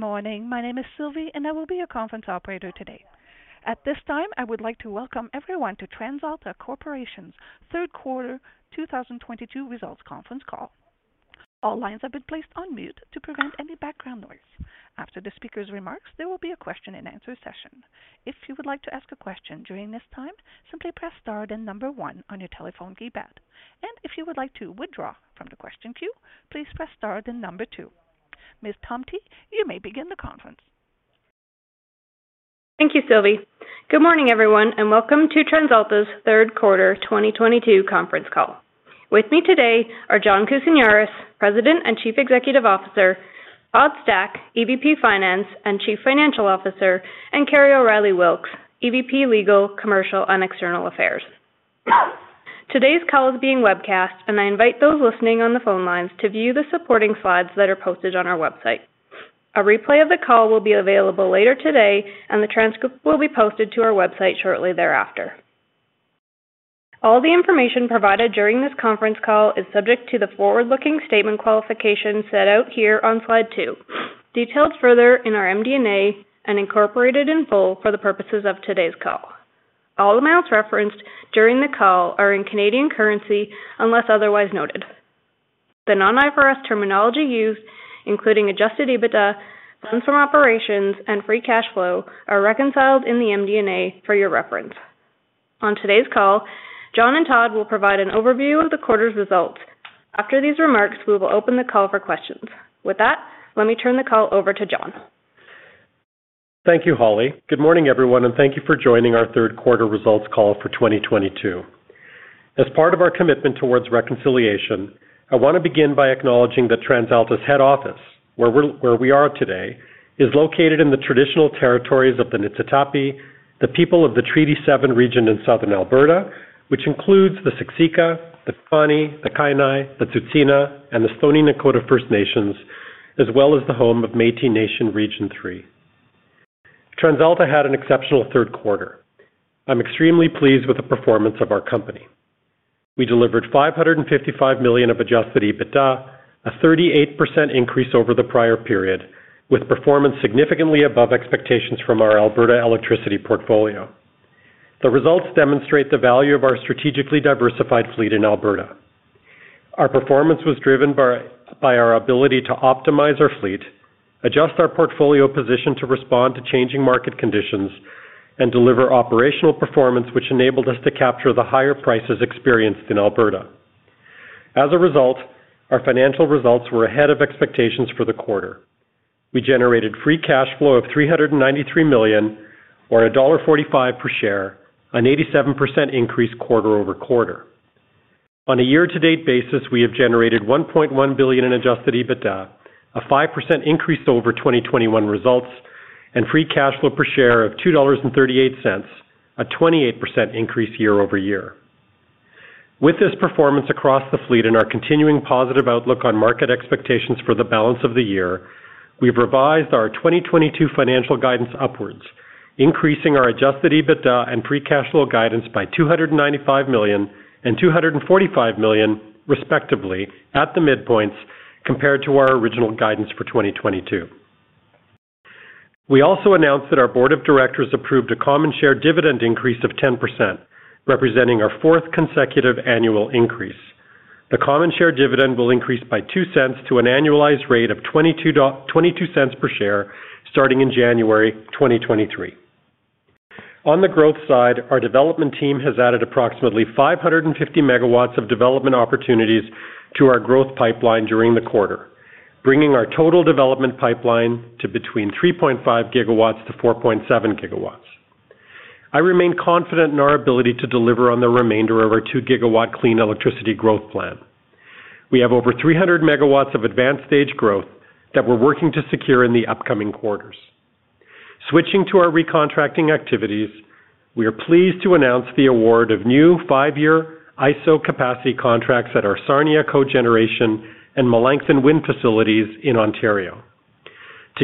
Good morning. My name is Sylvie, and I will be your conference operator today. At this time, I would like to welcome everyone to TransAlta Corporation's third quarter 2022 results conference call. All lines have been placed on mute to prevent any background noise. After the speaker's remarks, there will be a question and answer session. If you would like to ask a question during this time, simply press star, then number one on your telephone keypad. If you would like to withdraw from the question queue, please press star, then number two. Ms. Tomte, you may begin the conference. Thank you, Sylvie. Good morning, everyone, and welcome to TransAlta's third quarter 2022 conference call. With me today are John Kousinioris, President and Chief Executive Officer, Todd Stack, EVP Finance and Chief Financial Officer, and Kerry O'Reilly Wilks, EVP, Legal, Commercial, and External Affairs. Today's call is being webcast. I invite those listening on the phone lines to view the supporting slides that are posted on our website. A replay of the call will be available later today. The transcript will be posted to our website shortly thereafter. All the information provided during this conference call is subject to the forward-looking statement qualification set out here on slide two, detailed further in our MD&A and incorporated in full for the purposes of today's call. All amounts referenced during the call are in Canadian currency unless otherwise noted. The non-IFRS terminology used, including adjusted EBITDA, funds from operations, and free cash flow, are reconciled in the MD&A for your reference. On today's call, John and Todd will provide an overview of the quarter's results. After these remarks, we will open the call for questions. With that, let me turn the call over to John. Thank you, Holly. Good morning, everyone, and thank you for joining our third quarter results call for 2022. As part of our commitment towards reconciliation, I want to begin by acknowledging that TransAlta's head office, where we are today, is located in the traditional territories of the Niitsitapi, the people of the Treaty 7 region in Southern Alberta, which includes the Siksika, the Kainai, the Tsuut'ina, and the Stoney Nakoda First Nations, as well as the home of Métis Nation Region 3. TransAlta had an exceptional third quarter. I'm extremely pleased with the performance of our company. We delivered 555 million of adjusted EBITDA, a 38% increase over the prior period, with performance significantly above expectations from our Alberta electricity portfolio. The results demonstrate the value of our strategically diversified fleet in Alberta. Our performance was driven by our ability to optimize our fleet, adjust our portfolio position to respond to changing market conditions, and deliver operational performance which enabled us to capture the higher prices experienced in Alberta. As a result, our financial results were ahead of expectations for the quarter. We generated free cash flow of 393 million or dollar 1.45 per share, an 87% increase quarter-over-quarter. On a year-to-date basis, we have generated CAD 1.1 billion in adjusted EBITDA, a 5% increase over 2021 results, and free cash flow per share of 2.38 dollars, a 28% increase year-over-year. With this performance across the fleet and our continuing positive outlook on market expectations for the balance of the year, we've revised our 2022 financial guidance upwards, increasing our adjusted EBITDA and free cash flow guidance by 295 million and 245 million, respectively, at the midpoints, compared to our original guidance for 2022. We also announced that our board of directors approved a common share dividend increase of 10%, representing our fourth consecutive annual increase. The common share dividend will increase by 0.02 to an annualized rate of 0.22 per share starting in January 2023. On the growth side, our development team has added approximately 550 MW of development opportunities to our growth pipeline during the quarter, bringing our total development pipeline to between 3.5 GW to 4.7 GW. I remain confident in our ability to deliver on the remainder of our 2 GW clean electricity growth plan. We have over 300 MW of advanced-stage growth that we're working to secure in the upcoming quarters. Switching to our recontracting activities, we are pleased to announce the award of new five-year ISO capacity contracts at our Sarnia Cogeneration and Melancthon Wind facilities in Ontario.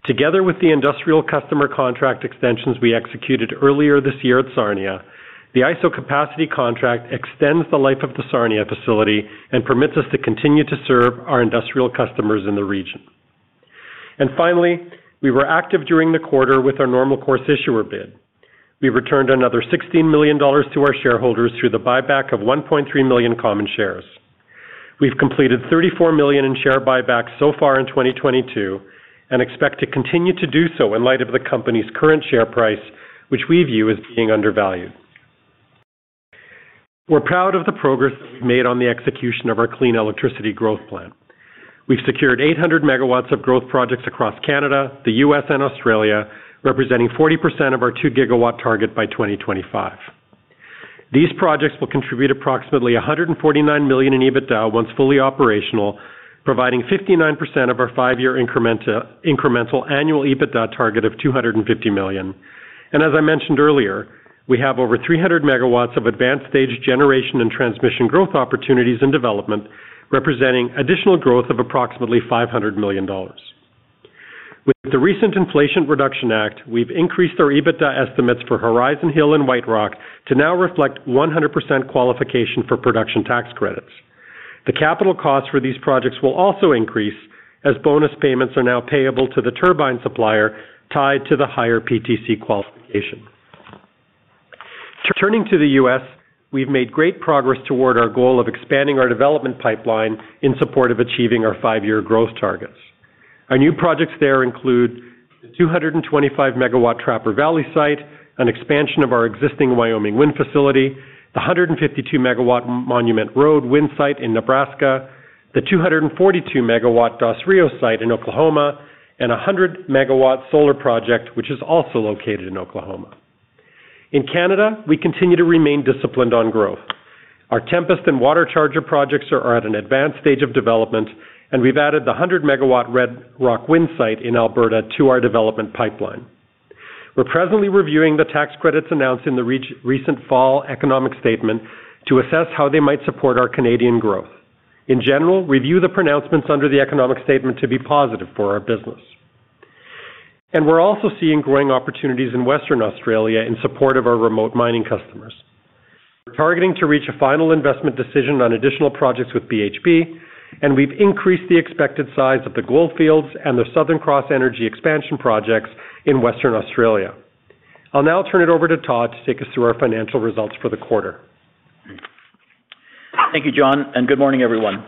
Together with the industrial customer contract extensions we executed earlier this year at Sarnia, the ISO capacity contract extends the life of the Sarnia facility and permits us to continue to serve our industrial customers in the region. Finally, we were active during the quarter with our normal course issuer bid. We returned another 16 million dollars to our shareholders through the buyback of 1.3 million common shares. We've completed 34 million in share buybacks so far in 2022 and expect to continue to do so in light of the company's current share price, which we view as being undervalued. We're proud of the progress that we've made on the execution of our clean electricity growth plan. We've secured 800 MW of growth projects across Canada, the U.S., and Australia, representing 40% of our 2 GW target by 2025. These projects will contribute approximately CAD 149 million in EBITDA once fully operational, providing 59% of our five-year incremental annual EBITDA target of 250 million. As I mentioned earlier, we have over 300 MW of advanced-stage generation and transmission growth opportunities in development, representing additional growth of approximately 500 million dollars. With the recent Inflation Reduction Act, we've increased our EBITDA estimates for Horizon Hill and White Rock to now reflect 100% qualification for production tax credits. The capital costs for these projects will also increase as bonus payments are now payable to the turbine supplier tied to the higher PTC qualification. Turning to the U.S., we've made great progress toward our goal of expanding our development pipeline in support of achieving our five-year growth targets. Our new projects there include the 225-megawatt Trapper Valley site, an expansion of our existing Wyoming Wind facility, the 152-megawatt Monument Road wind site in Nebraska, the 242-megawatt Dos Rios site in Oklahoma, and a 100-megawatt solar project, which is also located in Oklahoma. In Canada, we continue to remain disciplined on growth. Our Tempest and WaterCharger projects are at an advanced stage of development, we've added the 100-megawatt Red Rock Wind site in Alberta to our development pipeline. We're presently reviewing the tax credits announced in the recent fall economic statement to assess how they might support our Canadian growth. In general, we view the pronouncements under the economic statement to be positive for our business. We're also seeing growing opportunities in Western Australia in support of our remote mining customers. We're targeting to reach a final investment decision on additional projects with BHP, we've increased the expected size of the Goldfields and the Southern Cross Energy expansion projects in Western Australia. I'll now turn it over to Todd to take us through our financial results for the quarter. Thank you, John, and good morning, everyone.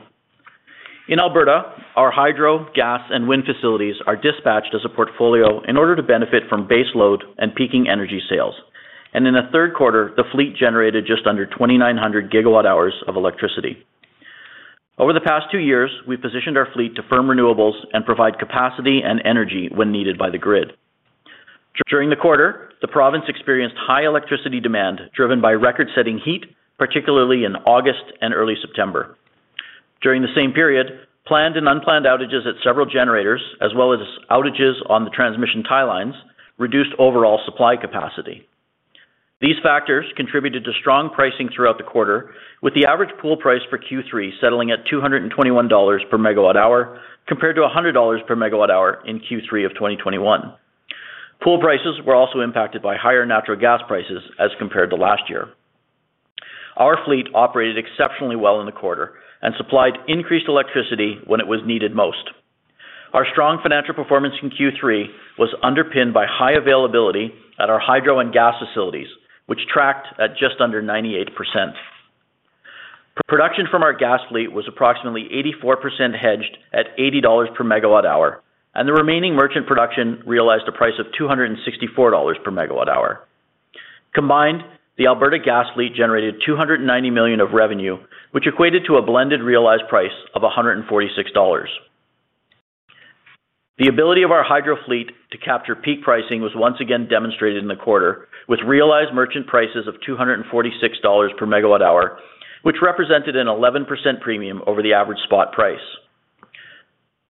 In Alberta, our hydro, gas, and wind facilities are dispatched as a portfolio in order to benefit from base load and peaking energy sales. In the third quarter, the fleet generated just under 2,900 gigawatt hours of electricity. Over the past two years, we've positioned our fleet to firm renewables and provide capacity and energy when needed by the grid. During the quarter, the province experienced high electricity demand driven by record-setting heat, particularly in August and early September. During the same period, planned and unplanned outages at several generators, as well as outages on the transmission tie lines, reduced overall supply capacity. These factors contributed to strong pricing throughout the quarter, with the average pool price for Q3 settling at 221 dollars per megawatt hour, compared to 100 dollars per megawatt hour in Q3 of 2021. Pool prices were also impacted by higher natural gas prices as compared to last year. Our fleet operated exceptionally well in the quarter supplied increased electricity when it was needed most. Our strong financial performance in Q3 was underpinned by high availability at our hydro and gas facilities, which tracked at just under 98%. Production from our gas fleet was approximately 84% hedged at 80 dollars per megawatt hour, and the remaining merchant production realized a price of 264 dollars per megawatt hour. Combined, the Alberta gas fleet generated 290 million of revenue, which equated to a blended realized price of 146 dollars. The ability of our hydro fleet to capture peak pricing was once again demonstrated in the quarter with realized merchant prices of 246 dollars per megawatt hour, which represented an 11% premium over the average spot price.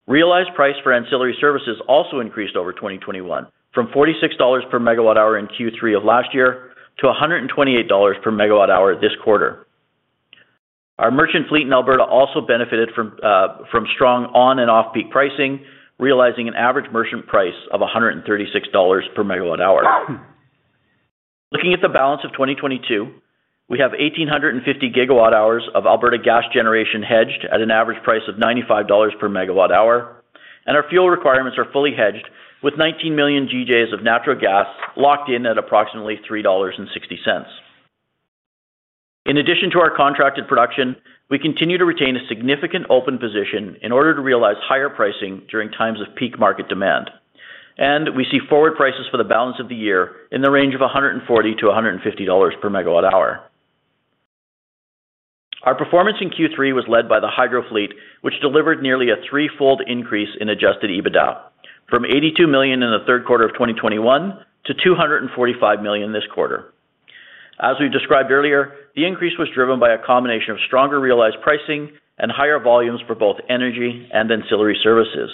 Realized price for ancillary services also increased over 2021 from 46 dollars per megawatt hour in Q3 of last year to 128 dollars per megawatt hour this quarter. Our merchant fleet in Alberta also benefited from strong on and off-peak pricing, realizing an average merchant price of 136 dollars per megawatt hour. Looking at the balance of 2022, we have 1,850 gigawatt hours of Alberta gas generation hedged at an average price of 95 dollars per megawatt hour, and our fuel requirements are fully hedged with 19 million GJs of natural gas locked in at approximately 3.60 dollars. In addition to our contracted production, we continue to retain a significant open position in order to realize higher pricing during times of peak market demand. We see forward prices for the balance of the year in the range of 140-150 dollars per megawatt hour. Our performance in Q3 was led by the hydro fleet, which delivered nearly a threefold increase in adjusted EBITDA, from 82 million in the third quarter of 2021 to 245 million this quarter. As we described earlier, the increase was driven by a combination of stronger realized pricing and higher volumes for both energy and ancillary services.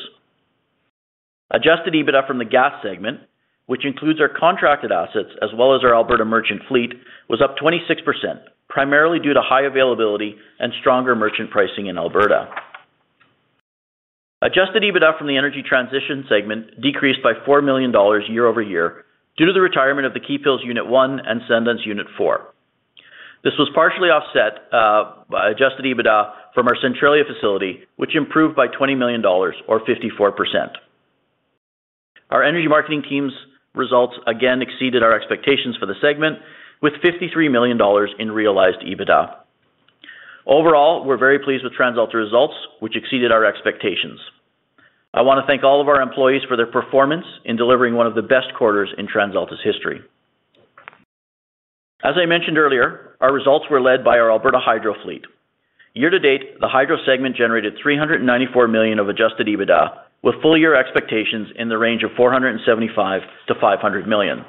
Adjusted EBITDA from the gas segment, which includes our contracted assets as well as our Alberta merchant fleet, was up 26%, primarily due to high availability and stronger merchant pricing in Alberta. Adjusted EBITDA from the energy transition segment decreased by 4 million dollars year-over-year due to the retirement of the Keephills Unit 1 and Sundance Unit 4. This was partially offset by adjusted EBITDA from our Centralia facility, which improved by 20 million dollars or 54%. Our energy marketing team's results again exceeded our expectations for the segment with 53 million dollars in realized EBITDA. Overall, we're very pleased with TransAlta results, which exceeded our expectations. I want to thank all of our employees for their performance in delivering one of the best quarters in TransAlta's history. As I mentioned earlier, our results were led by our Alberta hydro fleet. Year-to-date, the hydro segment generated 394 million of adjusted EBITDA, with full-year expectations in the range of 475 million-500 million.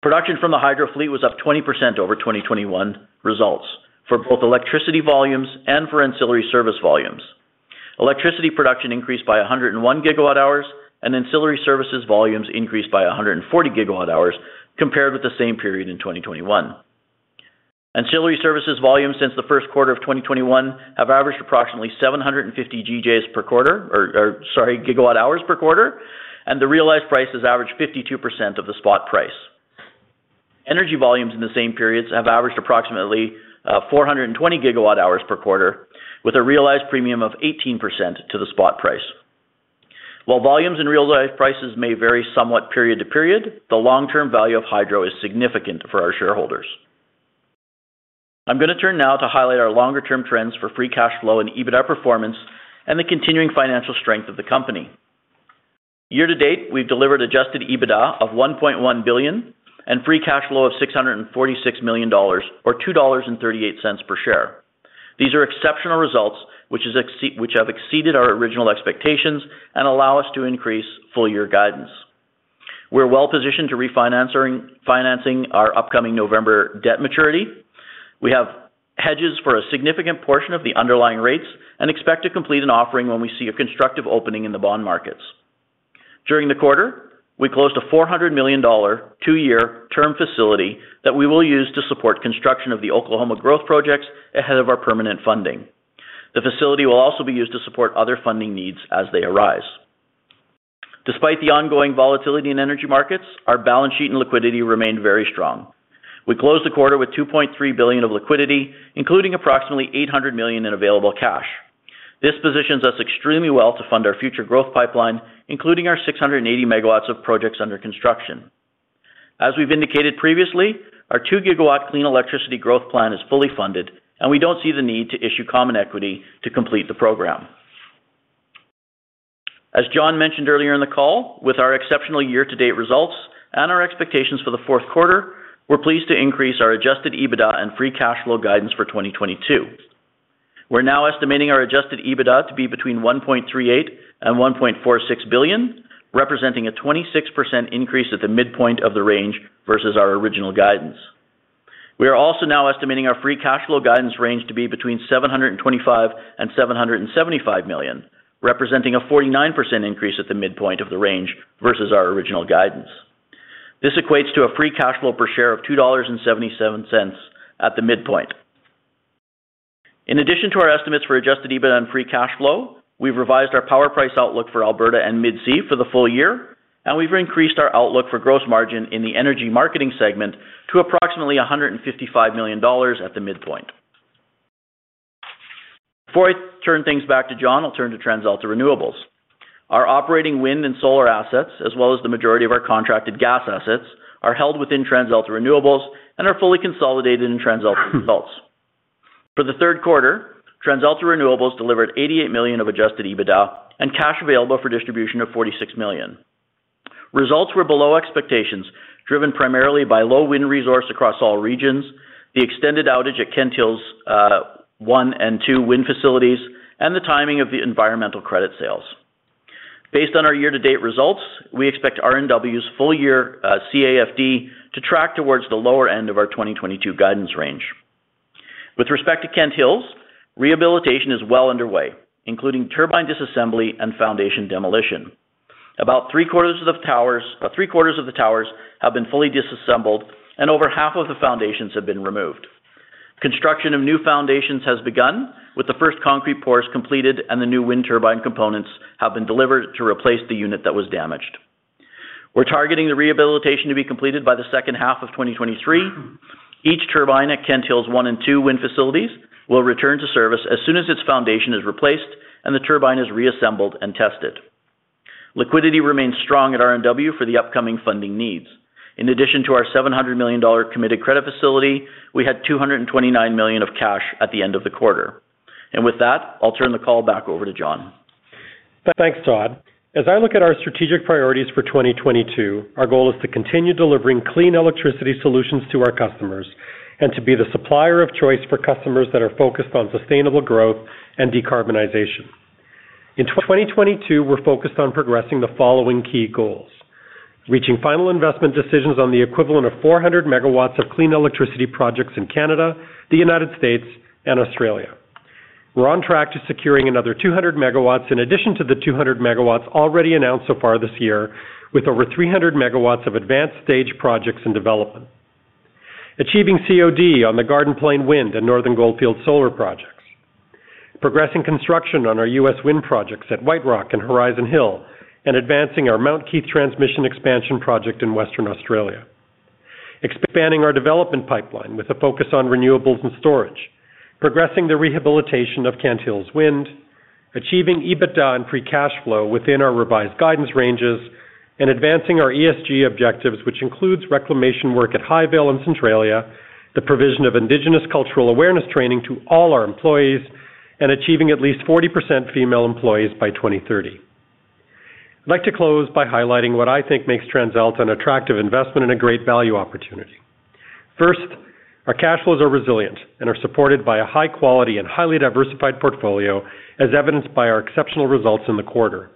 Production from the hydro fleet was up 20% over 2021 results for both electricity volumes and for ancillary services volumes. Electricity production increased by 101 gigawatt hours and ancillary services volumes increased by 140 gigawatt hours compared with the same period in 2021. Ancillary services volumes since the first quarter of 2021 have averaged approximately 750 gigawatt hours per quarter, and the realized prices averaged 52% of the spot price. Energy volumes in the same periods have averaged approximately 420 gigawatt hours per quarter, with a realized premium of 18% to the spot price. While volumes and realized prices may vary somewhat period to period, the long-term value of hydro is significant for our shareholders. I'm going to turn now to highlight our longer-term trends for free cash flow and EBITDA performance and the continuing financial strength of the company. Year-to-date, we've delivered adjusted EBITDA of 1.1 billion and free cash flow of 646 million dollars, or 2.38 dollars per share. These are exceptional results, which have exceeded our original expectations and allow us to increase full-year guidance. We're well-positioned to refinancing our upcoming November debt maturity. We have hedges for a significant portion of the underlying rates and expect to complete an offering when we see a constructive opening in the bond markets. During the quarter, we closed a 400 million dollar 2-year term facility that we will use to support construction of the Oklahoma growth projects ahead of our permanent funding. The facility will also be used to support other funding needs as they arise. Despite the ongoing volatility in energy markets, our balance sheet and liquidity remained very strong. We closed the quarter with 2.3 billion of liquidity, including approximately 800 million in available cash. This positions us extremely well to fund our future growth pipeline, including our 680 MW of projects under construction. As we've indicated previously, our 2-gigawatt clean electricity growth plan is fully funded, and we don't see the need to issue common equity to complete the program. As John mentioned earlier in the call, with our exceptional year-to-date results and our expectations for the fourth quarter, we're pleased to increase our adjusted EBITDA and free cash flow guidance for 2022. We're now estimating our adjusted EBITDA to be between 1.38 billion and 1.46 billion, representing a 26% increase at the midpoint of the range versus our original guidance. We are also now estimating our free cash flow guidance range to be between 725 million and 775 million, representing a 49% increase at the midpoint of the range versus our original guidance. This equates to a free cash flow per share of 2.77 dollars at the midpoint. In addition to our estimates for adjusted EBITDA and free cash flow, we've revised our power price outlook for Alberta and Mid-C for the full-year, and we've increased our outlook for gross margin in the energy marketing segment to approximately 155 million dollars at the midpoint. Before I turn things back to John, I'll turn to TransAlta Renewables. Our operating wind and solar assets, as well as the majority of our contracted gas assets, are held within TransAlta Renewables and are fully consolidated in TransAlta results. For the third quarter, TransAlta Renewables delivered 88 million of adjusted EBITDA and cash available for distribution of 46 million. Results were below expectations, driven primarily by low wind resource across all regions, the extended outage at Kent Hills 1 and 2 wind facilities, and the timing of the environmental credit sales. Based on our year-to-date results, we expect RNW's full-year CAFD to track towards the lower end of our 2022 guidance range. With respect to Kent Hills, rehabilitation is well underway, including turbine disassembly and foundation demolition. About three-quarters of the towers have been fully disassembled and over half of the foundations have been removed. Construction of new foundations has begun, with the first concrete pours completed and the new wind turbine components have been delivered to replace the unit that was damaged. We're targeting the rehabilitation to be completed by the second half of 2023. Each turbine at Kent Hills 1 and 2 wind facilities will return to service as soon as its foundation is replaced and the turbine is reassembled and tested. Liquidity remains strong at RNW for the upcoming funding needs. In addition to our 700 million committed credit facility, we had 229 million of cash at the end of the quarter. With that, I'll turn the call back over to John. Thanks, Todd. As I look at our strategic priorities for 2022, our goal is to continue delivering clean electricity solutions to our customers and to be the supplier of choice for customers that are focused on sustainable growth and decarbonization. In 2022, we're focused on progressing the following key goals. Reaching final investment decisions on the equivalent of 400 megawatts of clean electricity projects in Canada, the U.S., and Australia. We're on track to securing another 200 megawatts in addition to the 200 megawatts already announced so far this year, with over 300 megawatts of advanced stage projects in development. Achieving COD on the Garden Plain Wind and Northern Goldfields solar projects. Progressing construction on our U.S. wind projects at White Rock and Horizon Hill, and advancing our Mount Keith transmission expansion project in Western Australia. Expanding our development pipeline with a focus on renewables and storage. Progressing the rehabilitation of Kent Hills Wind. Achieving EBITDA and free cash flow within our revised guidance ranges. Advancing our ESG objectives, which includes reclamation work at Highvale and Centralia, the provision of Indigenous cultural awareness training to all our employees, and achieving at least 40% female employees by 2030. I'd like to close by highlighting what I think makes TransAlta an attractive investment and a great value opportunity. First, our cash flows are resilient and are supported by a high quality and highly diversified portfolio, as evidenced by our exceptional results in the quarter.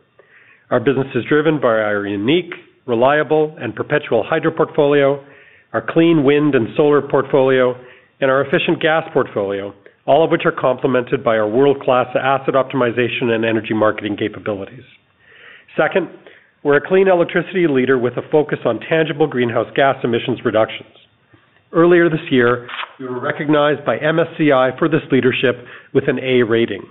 Our business is driven by our unique, reliable, and perpetual hydro portfolio, our clean wind and solar portfolio, and our efficient gas portfolio, all of which are complemented by our world-class asset optimization and energy marketing capabilities. Second, we're a clean electricity leader with a focus on tangible greenhouse gas emissions reductions. Earlier this year, we were recognized by MSCI for this leadership with an A rating.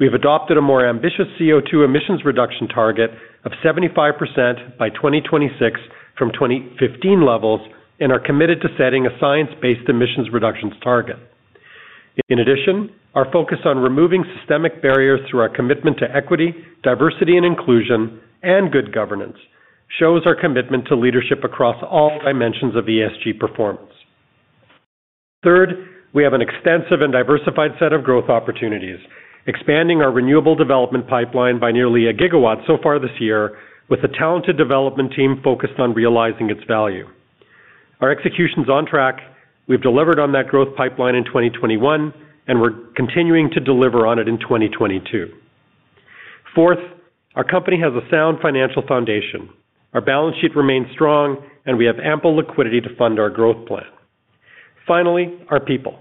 We have adopted a more ambitious CO2 emissions reduction target of 75% by 2026 from 2015 levels and are committed to setting a science-based emissions reductions target. In addition, our focus on removing systemic barriers through our commitment to equity, diversity and inclusion, and good governance shows our commitment to leadership across all dimensions of ESG performance. Third, we have an extensive and diversified set of growth opportunities, expanding our renewable development pipeline by nearly a gigawatt so far this year with a talented development team focused on realizing its value. Our execution's on track. We've delivered on that growth pipeline in 2021, and we're continuing to deliver on it in 2022. Fourth, our company has a sound financial foundation. Our balance sheet remains strong, and we have ample liquidity to fund our growth plan. Finally, our people.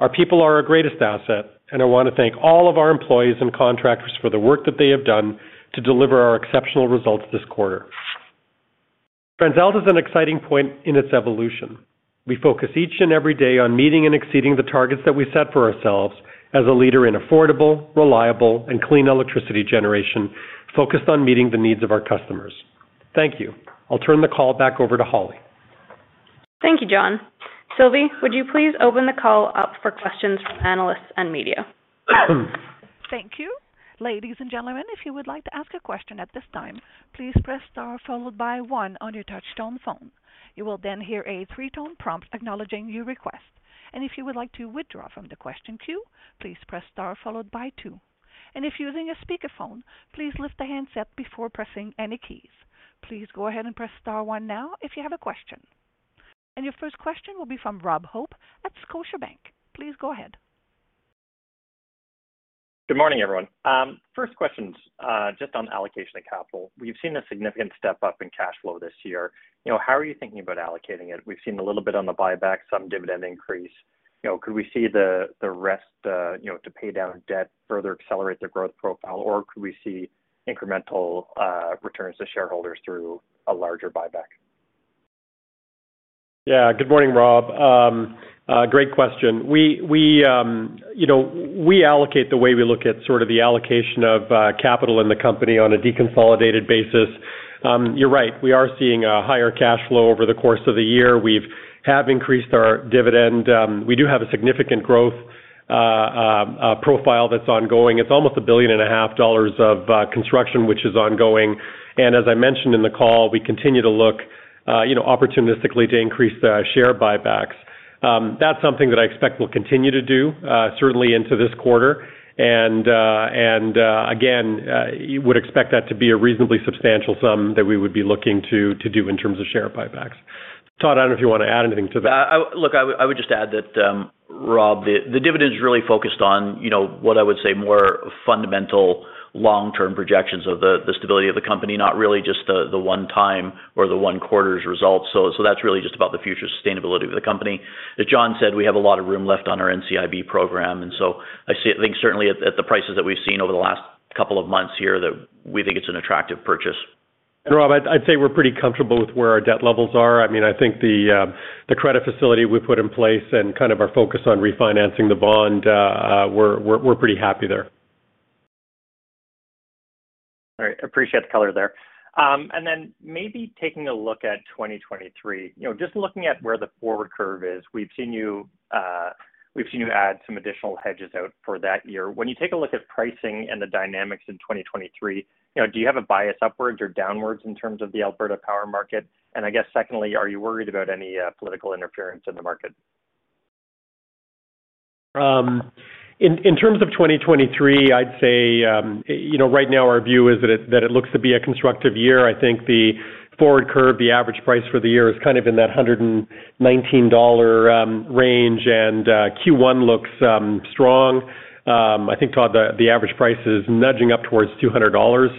Our people are our greatest asset, and I want to thank all of our employees and contractors for the work that they have done to deliver our exceptional results this quarter. TransAlta is at an exciting point in its evolution. We focus each and every day on meeting and exceeding the targets that we set for ourselves as a leader in affordable, reliable, and clean electricity generation, focused on meeting the needs of our customers. Thank you. I'll turn the call back over to Holly. Thank you, John. Sylvie, would you please open the call up for questions from analysts and media? Thank you. Ladies and gentlemen, if you would like to ask a question at this time, please press star followed by one on your touchtone phone. You will then hear a three-tone prompt acknowledging your request. If you would like to withdraw from the question queue, please press star followed by two. If you're using a speakerphone, please lift the handset before pressing any keys. Please go ahead and press star one now if you have a question. Your first question will be from Robert Hope at Scotiabank. Please go ahead. Good morning, everyone. First question's just on allocation of capital. We've seen a significant step-up in cash flow this year. How are you thinking about allocating it? We've seen a little bit on the buyback, some dividend increase. Could we see the rest to pay down debt further accelerate their growth profile, or could we see incremental returns to shareholders through a larger buyback? Good morning, Rob. Great question. We allocate the way we look at sort of the allocation of capital in the company on a deconsolidated basis. You're right. We are seeing a higher cash flow over the course of the year. We have increased our dividend. We do have a significant growth profile that's ongoing. It's almost a billion and a half CAD of construction, which is ongoing. As I mentioned in the call, we continue to look opportunistically to increase the share buybacks. That's something that I expect we'll continue to do, certainly into this quarter. Again, you would expect that to be a reasonably substantial sum that we would be looking to do in terms of share buybacks. Todd, I don't know if you want to add anything to that. Look, I would just add that, Rob, the dividend's really focused on what I would say more fundamental long-term projections of the stability of the company, not really just the one-time or the one quarter's results. That's really just about the future sustainability of the company. As John said, we have a lot of room left on our NCIB program, I think certainly at the prices that we've seen over the last couple of months here, that we think it's an attractive purchase. Rob, I'd say we're pretty comfortable with where our debt levels are. I think the credit facility we put in place and kind of our focus on refinancing the bond, we're pretty happy there. All right. Appreciate the color there. Maybe taking a look at 2023. Just looking at where the forward curve is, we've seen you add some additional hedges out for that year. When you take a look at pricing and the dynamics in 2023, do you have a bias upwards or downwards in terms of the Alberta power market? I guess secondly, are you worried about any political interference in the market? In terms of 2023, I'd say right now our view is that it looks to be a constructive year. I think the forward curve, the average price for the year is kind of in that 119 dollar range, and Q1 looks strong. I think, Todd, the average price is nudging up towards 200 dollars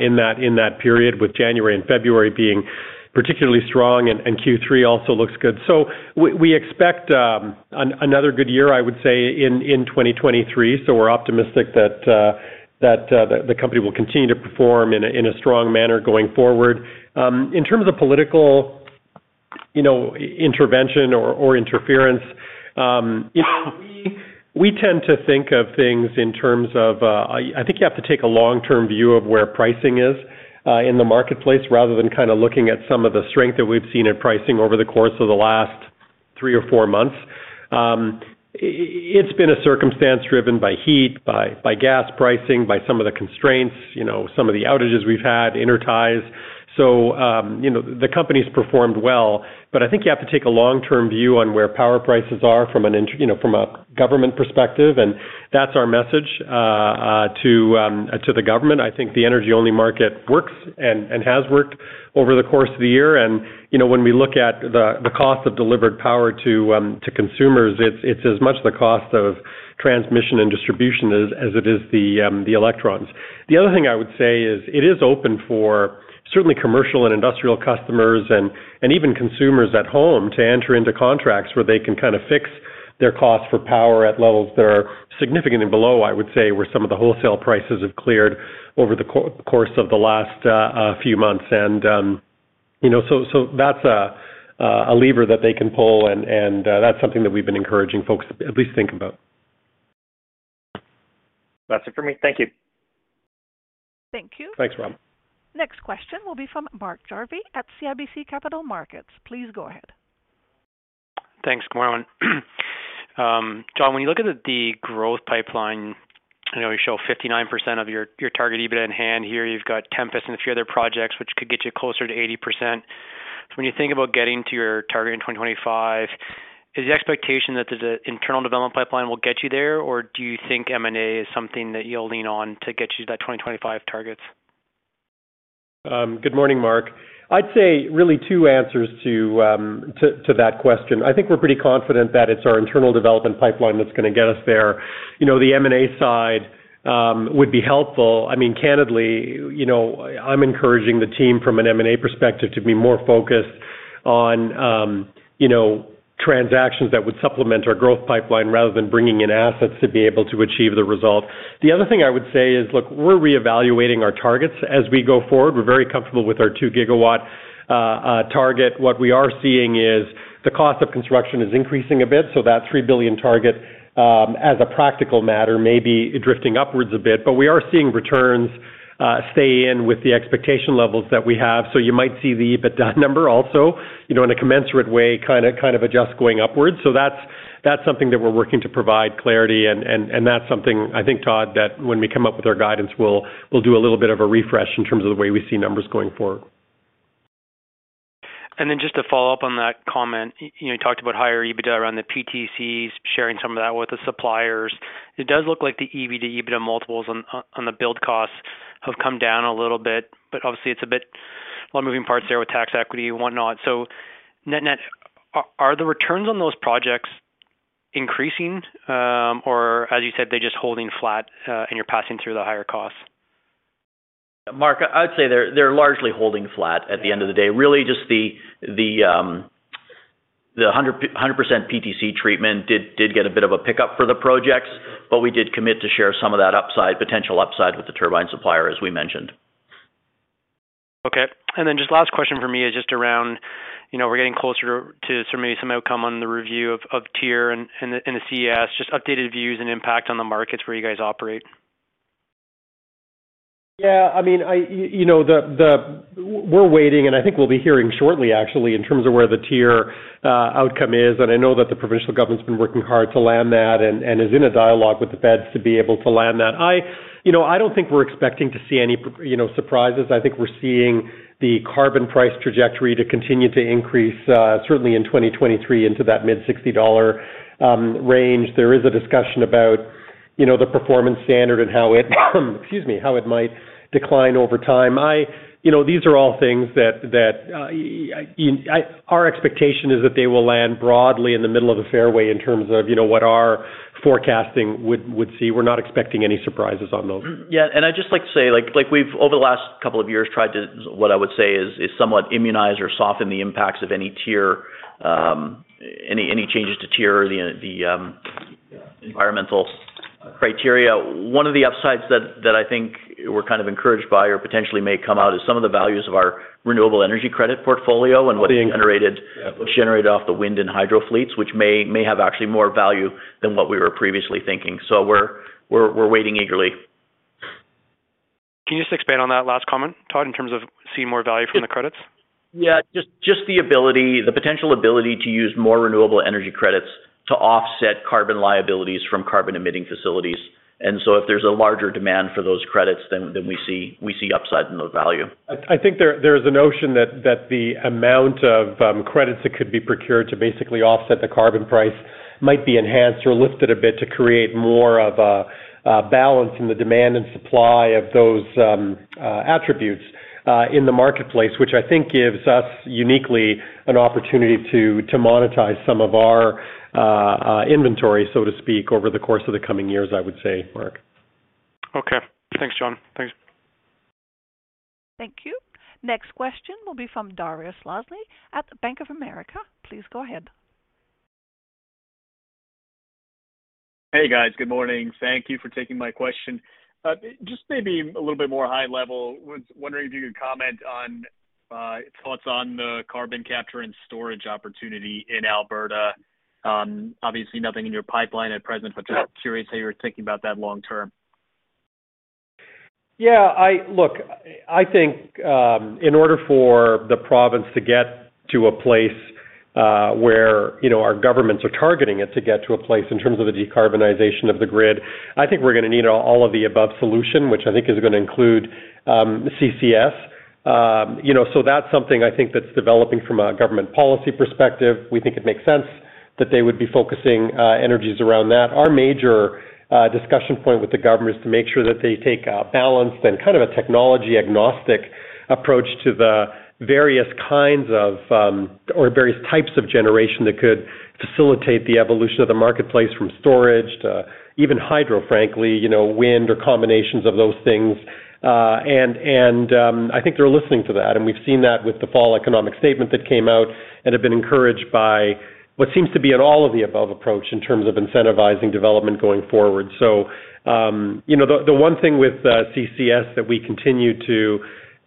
in that period, with January and February being particularly strong, and Q3 also looks good. We expect another good year, I would say, in 2023. We're optimistic that the company will continue to perform in a strong manner going forward. In terms of political intervention or interference, we tend to think of things in terms of, I think you have to take a long-term view of where pricing is in the marketplace rather than kind of looking at some of the strength that we've seen in pricing over the course of the last three or four months. It's been a circumstance driven by heat, by gas pricing, by some of the constraints, some of the outages we've had, Intertie. The company's performed well, I think you have to take a long-term view on where power prices are from a government perspective, and that's our message to the government. I think the energy-only market works and has worked over the course of the year. When we look at the cost of delivered power to consumers, it's as much the cost of transmission and distribution as it is the electrons. The other thing I would say is it is open for certainly commercial and industrial customers and even consumers at home to enter into contracts where they can kind of fix their cost for power at levels that are significantly below, I would say, where some of the wholesale prices have cleared over the course of the last few months. That's a lever that they can pull, and that's something that we've been encouraging folks to at least think about. That's it for me. Thank you. Thank you. Thanks, Rob. Next question will be from Mark Jarvi at CIBC Capital Markets. Please go ahead. Thanks. Good morning. John, when you look at the growth pipeline, I know you show 59% of your target EBITDA in hand here. You've got Tempest and a few other projects which could get you closer to 80%. When you think about getting to your target in 2025, is the expectation that the internal development pipeline will get you there, or do you think M&A is something that you'll lean on to get you to that 2025 target? Good morning, Mark. I'd say really two answers to that question. I think we're pretty confident that it's our internal development pipeline that's going to get us there. The M&A side would be helpful. Candidly, I'm encouraging the team from an M&A perspective to be more focused on transactions that would supplement our growth pipeline rather than bringing in assets to be able to achieve the result. The other thing I would say is, look, we're reevaluating our targets as we go forward. We're very comfortable with our two GW target. What we are seeing is the cost of construction is increasing a bit. That 3 billion target, as a practical matter, may be drifting upwards a bit, but we are seeing returns stay in with the expectation levels that we have. You might see the EBITDA number also, in a commensurate way, kind of adjust going upwards. That's something that we're working to provide clarity and that's something I think, Todd, that when we come up with our guidance, we'll do a little bit of a refresh in terms of the way we see numbers going forward. Just to follow up on that comment, you talked about higher EBITDA around the PTCs, sharing some of that with the suppliers. It does look like the EV to EBITDA multiples on the build costs have come down a little bit, but obviously it's a bit a lot of moving parts there with tax equity and whatnot. Net-net, are the returns on those projects increasing, or as you said, they're just holding flat, and you're passing through the higher costs? Mark, I'd say they're largely holding flat at the end of the day. Really just the 100% PTC treatment did get a bit of a pickup for the projects, but we did commit to share some of that potential upside with the turbine supplier, as we mentioned. Okay. Just last question for me is just around, we're getting closer to maybe some outcome on the review of TIER and the CES, just updated views and impact on the markets where you guys operate. Yeah. We're waiting, I think we'll be hearing shortly actually, in terms of where the TIER outcome is. I know that the provincial government's been working hard to land that and is in a dialogue with the feds to be able to land that. I don't think we're expecting to see any surprises. I think we're seeing the carbon price trajectory to continue to increase, certainly in 2023 into that mid-CAD 60 range. There is a discussion about the performance standard and how it, excuse me, how it might decline over time. These are all things that our expectation is that they will land broadly in the middle of the fairway in terms of what our forecasting would see. We're not expecting any surprises on those. Yeah, I'd just like to say, we've, over the last couple of years, tried to, what I would say, is somewhat immunize or soften the impacts of any changes to TIER or the environmental criteria. One of the upsides that I think we're kind of encouraged by or potentially may come out is some of the values of our renewable energy credit portfolio and what's generated off the wind and hydro fleets, which may have actually more value than what we were previously thinking. We're waiting eagerly. Can you just expand on that last comment, Todd, in terms of seeing more value from the credits? Yeah, just the potential ability to use more renewable energy credits to offset carbon liabilities from carbon-emitting facilities. If there's a larger demand for those credits, then we see upside in those value. I think there is a notion that the amount of credits that could be procured to basically offset the carbon price might be enhanced or lifted a bit to create more of a balance in the demand and supply of those attributes in the marketplace, which I think gives us uniquely an opportunity to monetize some of our inventory, so to speak, over the course of the coming years, I would say, Mark. Okay. Thanks, John. Thanks. Thank you. Next question will be from Dariusz Galeziewski at Bank of America. Please go ahead. Hey, guys. Good morning. Thank you for taking my question. Just maybe a little bit more high level, was wondering if you could comment on thoughts on the carbon capture and storage opportunity in Alberta. Obviously, nothing in your pipeline at present, but just curious how you're thinking about that long term. Yeah, look, I think in order for the province to get to a place where our governments are targeting it to get to a place in terms of the decarbonization of the grid, I think we're going to need all of the above solution, which I think is going to include CCS. That's something I think that's developing from a government policy perspective. We think it makes sense that they would be focusing energies around that. Our major discussion point with the government is to make sure that they take a balanced and kind of a technology-agnostic approach to the various types of generation that could facilitate the evolution of the marketplace from storage to even hydro, frankly, wind or combinations of those things. I think they're listening to that, and we've seen that with the fall economic statement that came out and have been encouraged by what seems to be an all-of-the-above approach in terms of incentivizing development going forward. The one thing with CCS that we continue to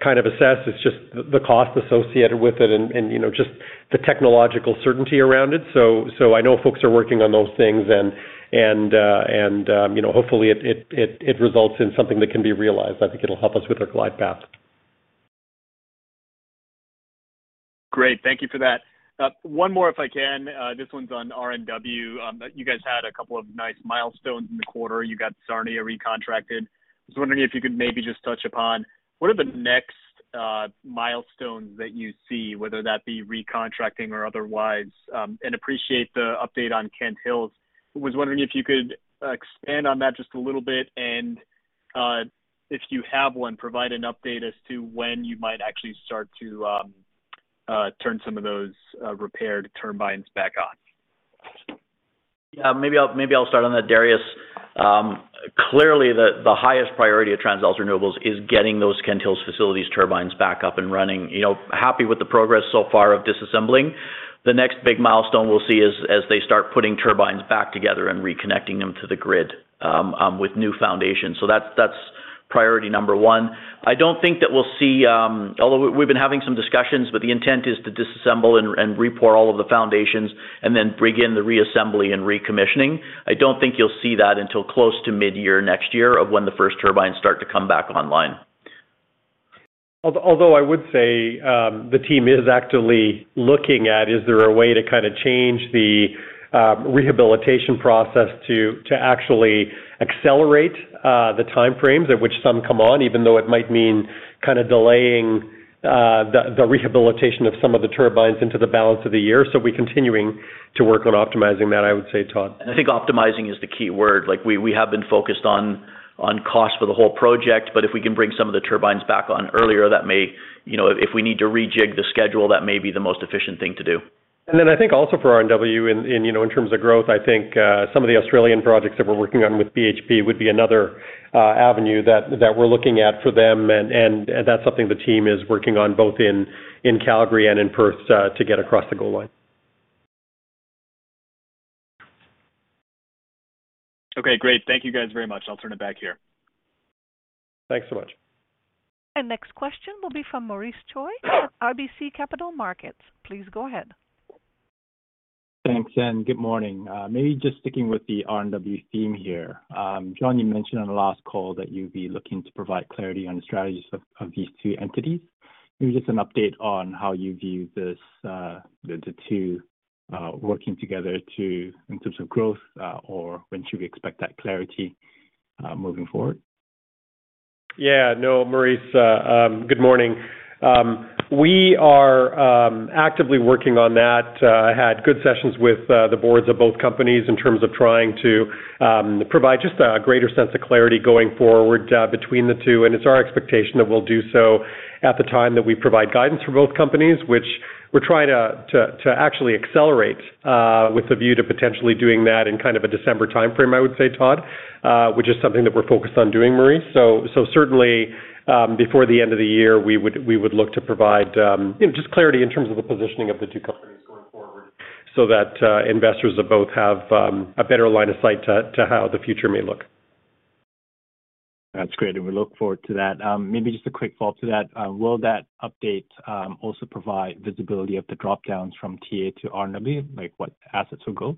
Kind of assess, it's just the cost associated with it and just the technological certainty around it. I know folks are working on those things and hopefully it results in something that can be realized. I think it'll help us with our glide path. Great. Thank you for that. One more, if I can. This one's on RNW. You guys had a couple of nice milestones in the quarter. You got Sarnia recontracted. I was wondering if you could maybe just touch upon what are the next milestones that you see, whether that be recontracting or otherwise. Appreciate the update on Kent Hills. Was wondering if you could expand on that just a little bit and, if you have one, provide an update as to when you might actually start to turn some of those repaired turbines back on. Maybe I'll start on that, Darius. Clearly, the highest priority of TransAlta Renewables is getting those Kent Hills facilities turbines back up and running. Happy with the progress so far of disassembling. The next big milestone we'll see is as they start putting turbines back together and reconnecting them to the grid with new foundations. That's priority number one. We've been having some discussions, but the intent is to disassemble and repour all of the foundations and then bring in the reassembly and recommissioning. I don't think you'll see that until close to mid-year next year of when the first turbines start to come back online. I would say, the team is actively looking at is there a way to kind of change the rehabilitation process to actually accelerate the time frames at which some come on, even though it might mean delaying the rehabilitation of some of the turbines into the balance of the year. We're continuing to work on optimizing that, I would say, Todd. I think optimizing is the key word. We have been focused on cost for the whole project, but if we can bring some of the turbines back on earlier, if we need to rejig the schedule, that may be the most efficient thing to do. I think also for RNW in terms of growth, I think some of the Australian projects that we're working on with BHP would be another avenue that we're looking at for them, and that's something the team is working on both in Calgary and in Perth to get across the goal line. Okay, great. Thank you guys very much. I'll turn it back here. Thanks so much. Next question will be from Maurice Choy, RBC Capital Markets. Please go ahead. Thanks, and good morning. Maybe just sticking with the RNW theme here. John, you mentioned on the last call that you'd be looking to provide clarity on the strategies of these two entities. Maybe just an update on how you view the two working together in terms of growth, or when should we expect that clarity moving forward? Yeah. No, Maurice, good morning. We are actively working on that. Had good sessions with the boards of both companies in terms of trying to provide just a greater sense of clarity going forward between the two, and it's our expectation that we'll do so at the time that we provide guidance for both companies, which we're trying to actually accelerate with a view to potentially doing that in a December timeframe, I would say, Todd, which is something that we're focused on doing, Maurice. Certainly, before the end of the year, we would look to provide just clarity in terms of the positioning of the two companies going forward so that investors of both have a better line of sight to how the future may look. That's great. We look forward to that. Maybe just a quick follow-up to that. Will that update also provide visibility of the drop-downs from TA to RNW? Like what assets will go?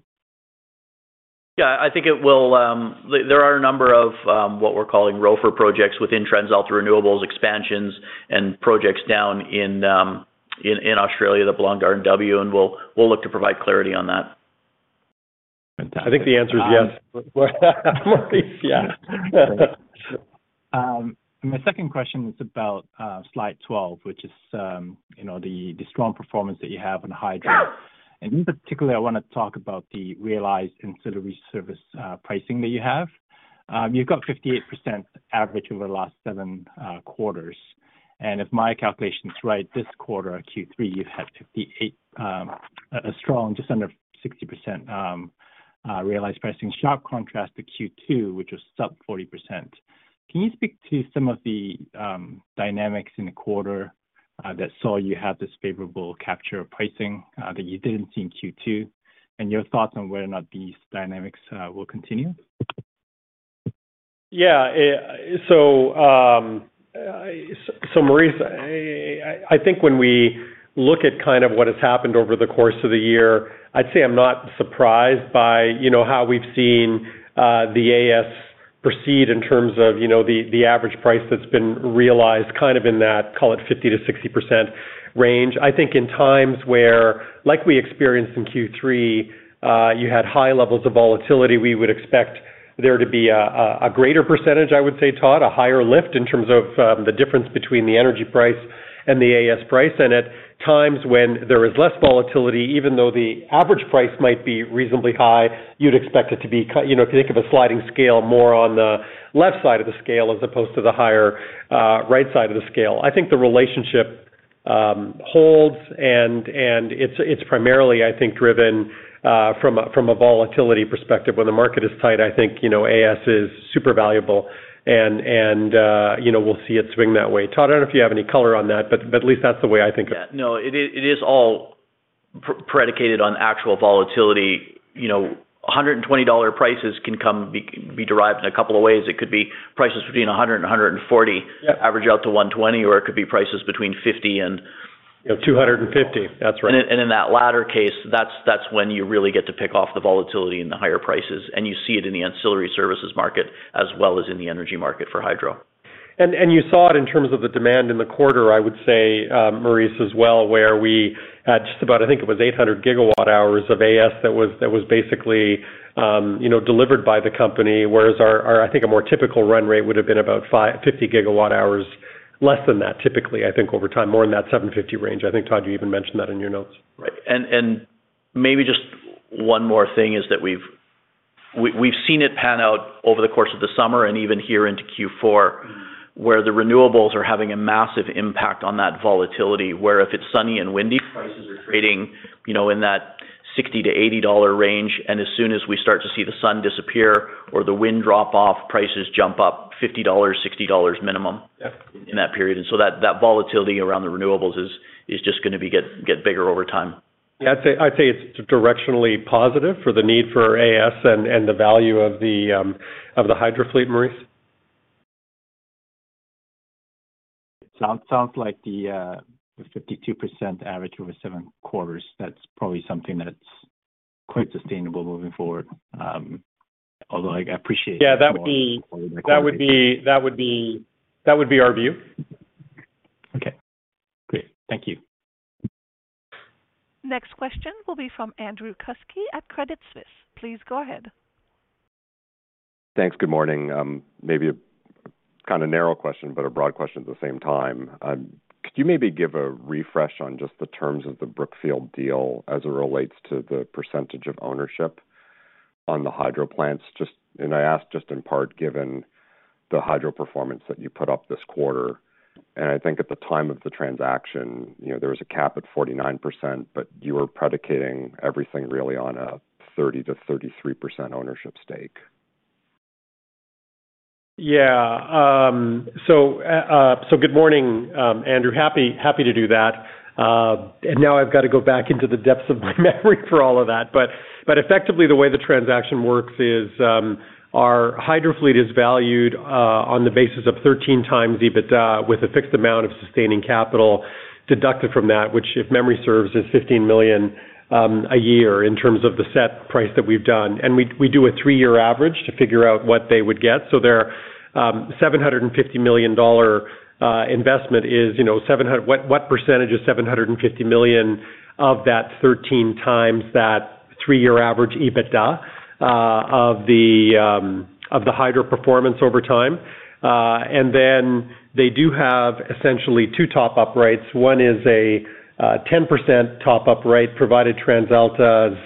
Yeah, I think it will. There are a number of what we're calling ROFR projects within TransAlta Renewables expansions and projects down in Australia that belong to RNW. We'll look to provide clarity on that. I think the answer is yes. Maurice, yeah. My second question is about slide 12, which is the strong performance that you have on Highvale. In particular, I want to talk about the realized ancillary service pricing that you have. You've got 58% average over the last 7 quarters, and if my calculation is right, this quarter, Q3, you've had 58%, a strong just under 60% realized pricing. Sharp contrast to Q2, which was sub 40%. Can you speak to some of the dynamics in the quarter that saw you have this favorable capture pricing that you didn't see in Q2, and your thoughts on whether or not these dynamics will continue? Yeah. Maurice, I think when we look at what has happened over the course of the year, I'd say I'm not surprised by how we've seen the AS proceed in terms of the average price that's been realized in that, call it 50%-60% range. I think in times where, like we experienced in Q3, you had high levels of volatility, we would expect there to be a greater percentage, I would say, Todd, a higher lift in terms of the difference between the energy price and the AS price. At times when there is less volatility, even though the average price might be reasonably high, you'd expect it to be, if you think of a sliding scale, more on the left side of the scale as opposed to the higher right side of the scale. I think the relationship holds, and it's primarily, I think, driven from a volatility perspective. When the market is tight, I think AS is super valuable and we'll see it swing that way. Todd, I don't know if you have any color on that, but at least that's the way I think of that. No, it is all predicated on actual volatility, 120 dollar prices can be derived in a couple of ways. It could be prices between 100 and 140- Yeah average out to 120, or it could be prices between 50. 250. That's right In that latter case, that's when you really get to pick off the volatility in the higher prices, and you see it in the ancillary services market as well as in the energy market for hydro. You saw it in terms of the demand in the quarter, I would say, Maurice, as well, where we had just about, I think it was 800 gigawatt hours of AS that was basically delivered by the company, whereas I think a more typical run rate would've been about 50 gigawatt hours, less than that, typically, I think, over time, more in that 750 range. I think, Todd, you even mentioned that in your notes. Right. Maybe just one more thing is that we've seen it pan out over the course of the summer and even here into Q4, where the renewables are having a massive impact on that volatility, where if it's sunny and windy, prices are trading in that 60-80 dollar range, as soon as we start to see the sun disappear or the wind drop off, prices jump up 50 dollars, 60 dollars minimum. Yeah In that period. So that volatility around the renewables is just going to get bigger over time. I'd say it's directionally positive for the need for AS and the value of the hydro fleet, Maurice. It sounds like the 52% average over seven quarters, that's probably something that's quite sustainable moving forward. Although I appreciate. Yeah, that would be our view. Okay, great. Thank you. Next question will be from Andrew Kuske at Credit Suisse. Please go ahead. Thanks. Good morning. Maybe a kind of narrow question, but a broad question at the same time. Could you maybe give a refresh on just the terms of the Brookfield deal as it relates to the percentage of ownership on the hydro plants? I ask just in part given the hydro performance that you put up this quarter, and I think at the time of the transaction, there was a cap at 49%, but you were predicating everything really on a 30%-33% ownership stake. Yeah. Good morning, Andrew Kuske. Happy to do that. Now I've got to go back into the depths of my memory for all of that. Effectively, the way the transaction works is, our hydro fleet is valued on the basis of 13x EBITDA, with a fixed amount of sustaining capital deducted from that, which, if memory serves, is 15 million a year in terms of the set price that we've done. We do a 3-year average to figure out what they would get. Their 750 million dollar investment is, what percentage of 750 million of that 13x that 3-year average EBITDA of the hydro performance over time? They do have essentially 2 top-up rights. One is a 10% top-up right, provided TransAlta's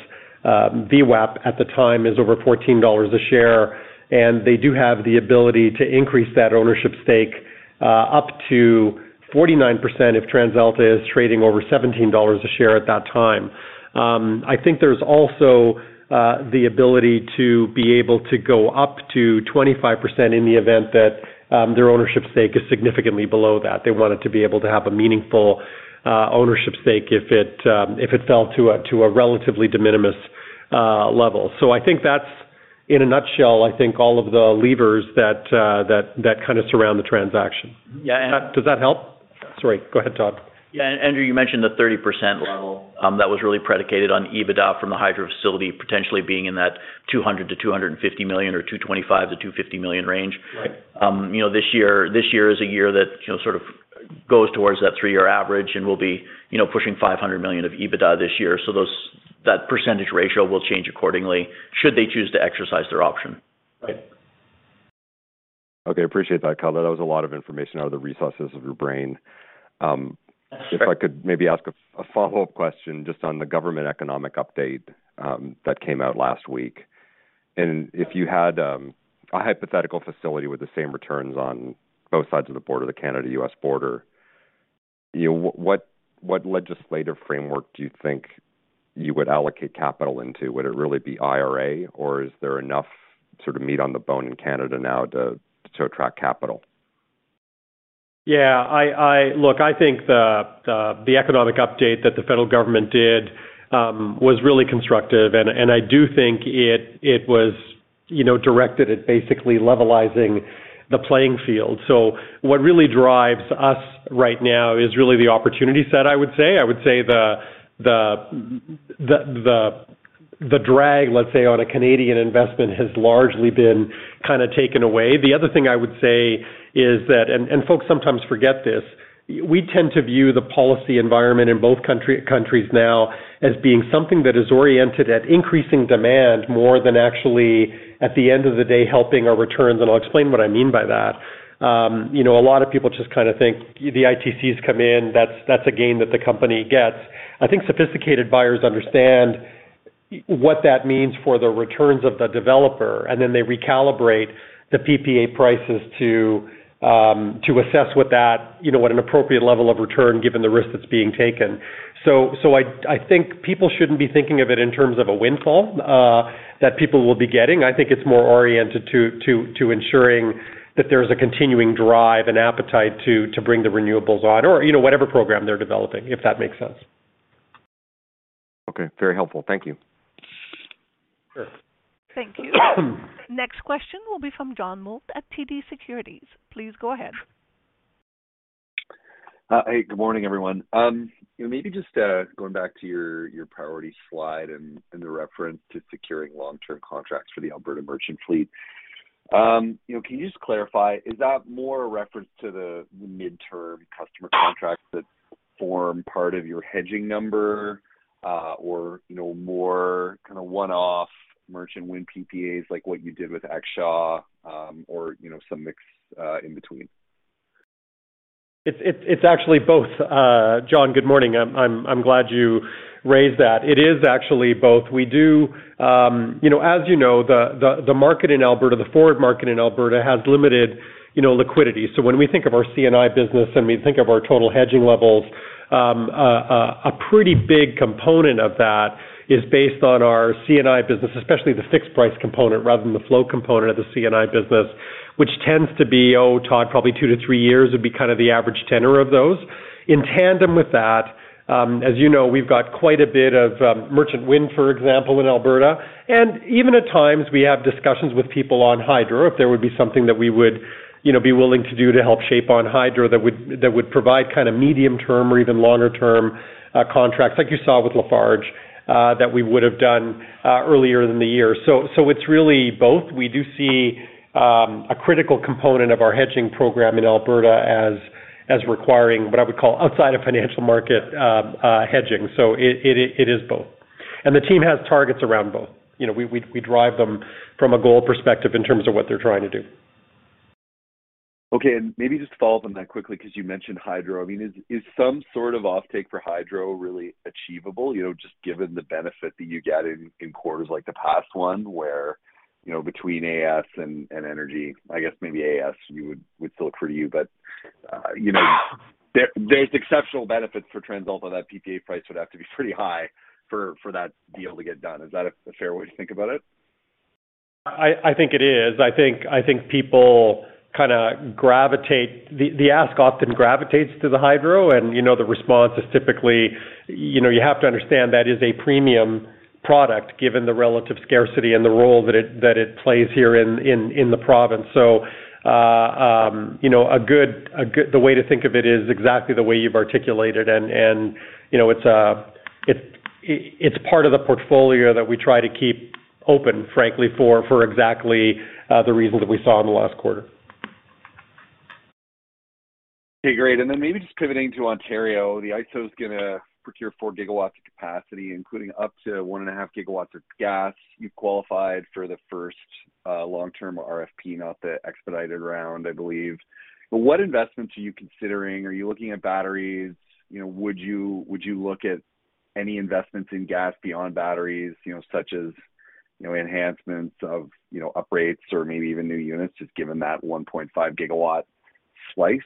VWAP at the time is over 14 dollars a share. They do have the ability to increase that ownership stake up to 49% if TransAlta is trading over CAD 17 a share at that time. I think there's also the ability to be able to go up to 25% in the event that their ownership stake is significantly below that. They want it to be able to have a meaningful ownership stake if it fell to a relatively de minimis level. I think that's, in a nutshell, I think all of the levers that kind of surround the transaction. Yeah. Does that help? Sorry, go ahead, Todd Stack. Yeah. Andrew Kuske, you mentioned the 30% level. That was really predicated on EBITDA from the hydro facility potentially being in that 200 million-250 million or 225 million-250 million range. Right. This year is a year that sort of goes towards that three-year average, we'll be pushing 500 million of EBITDA this year. That % ratio will change accordingly should they choose to exercise their option. Right. Okay. Appreciate that, Todd. That was a lot of information out of the recesses of your brain. Sure. If I could maybe ask a follow-up question just on the government economic update that came out last week. If you had a hypothetical facility with the same returns on both sides of the border, the Canada-U.S. border, what legislative framework do you think you would allocate capital into? Would it really be IRA, or is there enough sort of meat on the bone in Canada now to attract capital? Yeah. Look, I think the economic update that the federal government did was really constructive, and I do think it was directed at basically levelizing the playing field. What really drives us right now is really the opportunity set, I would say. I would say the drag, let's say, on a Canadian investment has largely been kind of taken away. The other thing I would say is that, and folks sometimes forget this, we tend to view the policy environment in both countries now as being something that is oriented at increasing demand more than actually, at the end of the day, helping our returns, and I'll explain what I mean by that. A lot of people just kind of think the ITCs come in, that's a gain that the company gets. I think sophisticated buyers understand what that means for the returns of the developer, and then they recalibrate the PPA prices to assess what an appropriate level of return given the risk that's being taken. I think people shouldn't be thinking of it in terms of a windfall that people will be getting. I think it's more oriented to ensuring that there's a continuing drive and appetite to bring the renewables on or whatever program they're developing, if that makes sense. Okay. Very helpful. Thank you. Sure. Thank you. Next question will be from John Mould at TD Securities. Please go ahead. Hey, good morning, everyone. Maybe just going back to your priority slide and the reference to securing long-term contracts for the Alberta merchant fleet. Can you just clarify, is that more a reference to the mid-term customer contracts that form part of your hedging number? Or more one-off merchant wind PPAs like what you did with Exshaw, or some mix in between? It's actually both. John, good morning. I'm glad you raised that. It is actually both. As you know, the forward market in Alberta has limited liquidity. When we think of our C&I business and we think of our total hedging levels, a pretty big component of that is based on our C&I business, especially the fixed price component rather than the flow component of the C&I business, which tends to be, Todd, probably two to three years would be the average tenor of those. In tandem with that, as you know, we've got quite a bit of merchant wind, for example, in Alberta. Even at times, we have discussions with people on hydro, if there would be something that we would be willing to do to help shape on hydro that would provide medium-term or even longer-term contracts, like you saw with Lafarge, that we would have done earlier in the year. It's really both. We do see a critical component of our hedging program in Alberta as requiring what I would call outside of financial market hedging. It is both. The team has targets around both. We drive them from a goal perspective in terms of what they're trying to do. Okay, maybe just to follow up on that quickly, because you mentioned hydro. Is some sort of offtake for hydro really achievable? Just given the benefit that you get in quarters like the past one, where between AS and energy, I guess maybe AS would still accrue to you. But there's exceptional benefits for TransAlta, that PPA price would have to be pretty high for that deal to get done. Is that a fair way to think about it? I think it is. I think the ask often gravitates to the hydro. The response is typically, you have to understand that is a premium product given the relative scarcity and the role that it plays here in the province. The way to think of it is exactly the way you've articulated, and it's part of the portfolio that we try to keep open, frankly, for exactly the reasons that we saw in the last quarter. Okay, great. Maybe just pivoting to Ontario, the IESO is going to procure 4 gigawatts of capacity, including up to 1.5 gigawatts of gas. You've qualified for the first long-term RFP, not the expedited round, I believe. What investments are you considering? Are you looking at batteries? Would you look at any investments in gas beyond batteries, such as enhancements of upgrades or maybe even new units, just given that 1.5 gigawatts slice?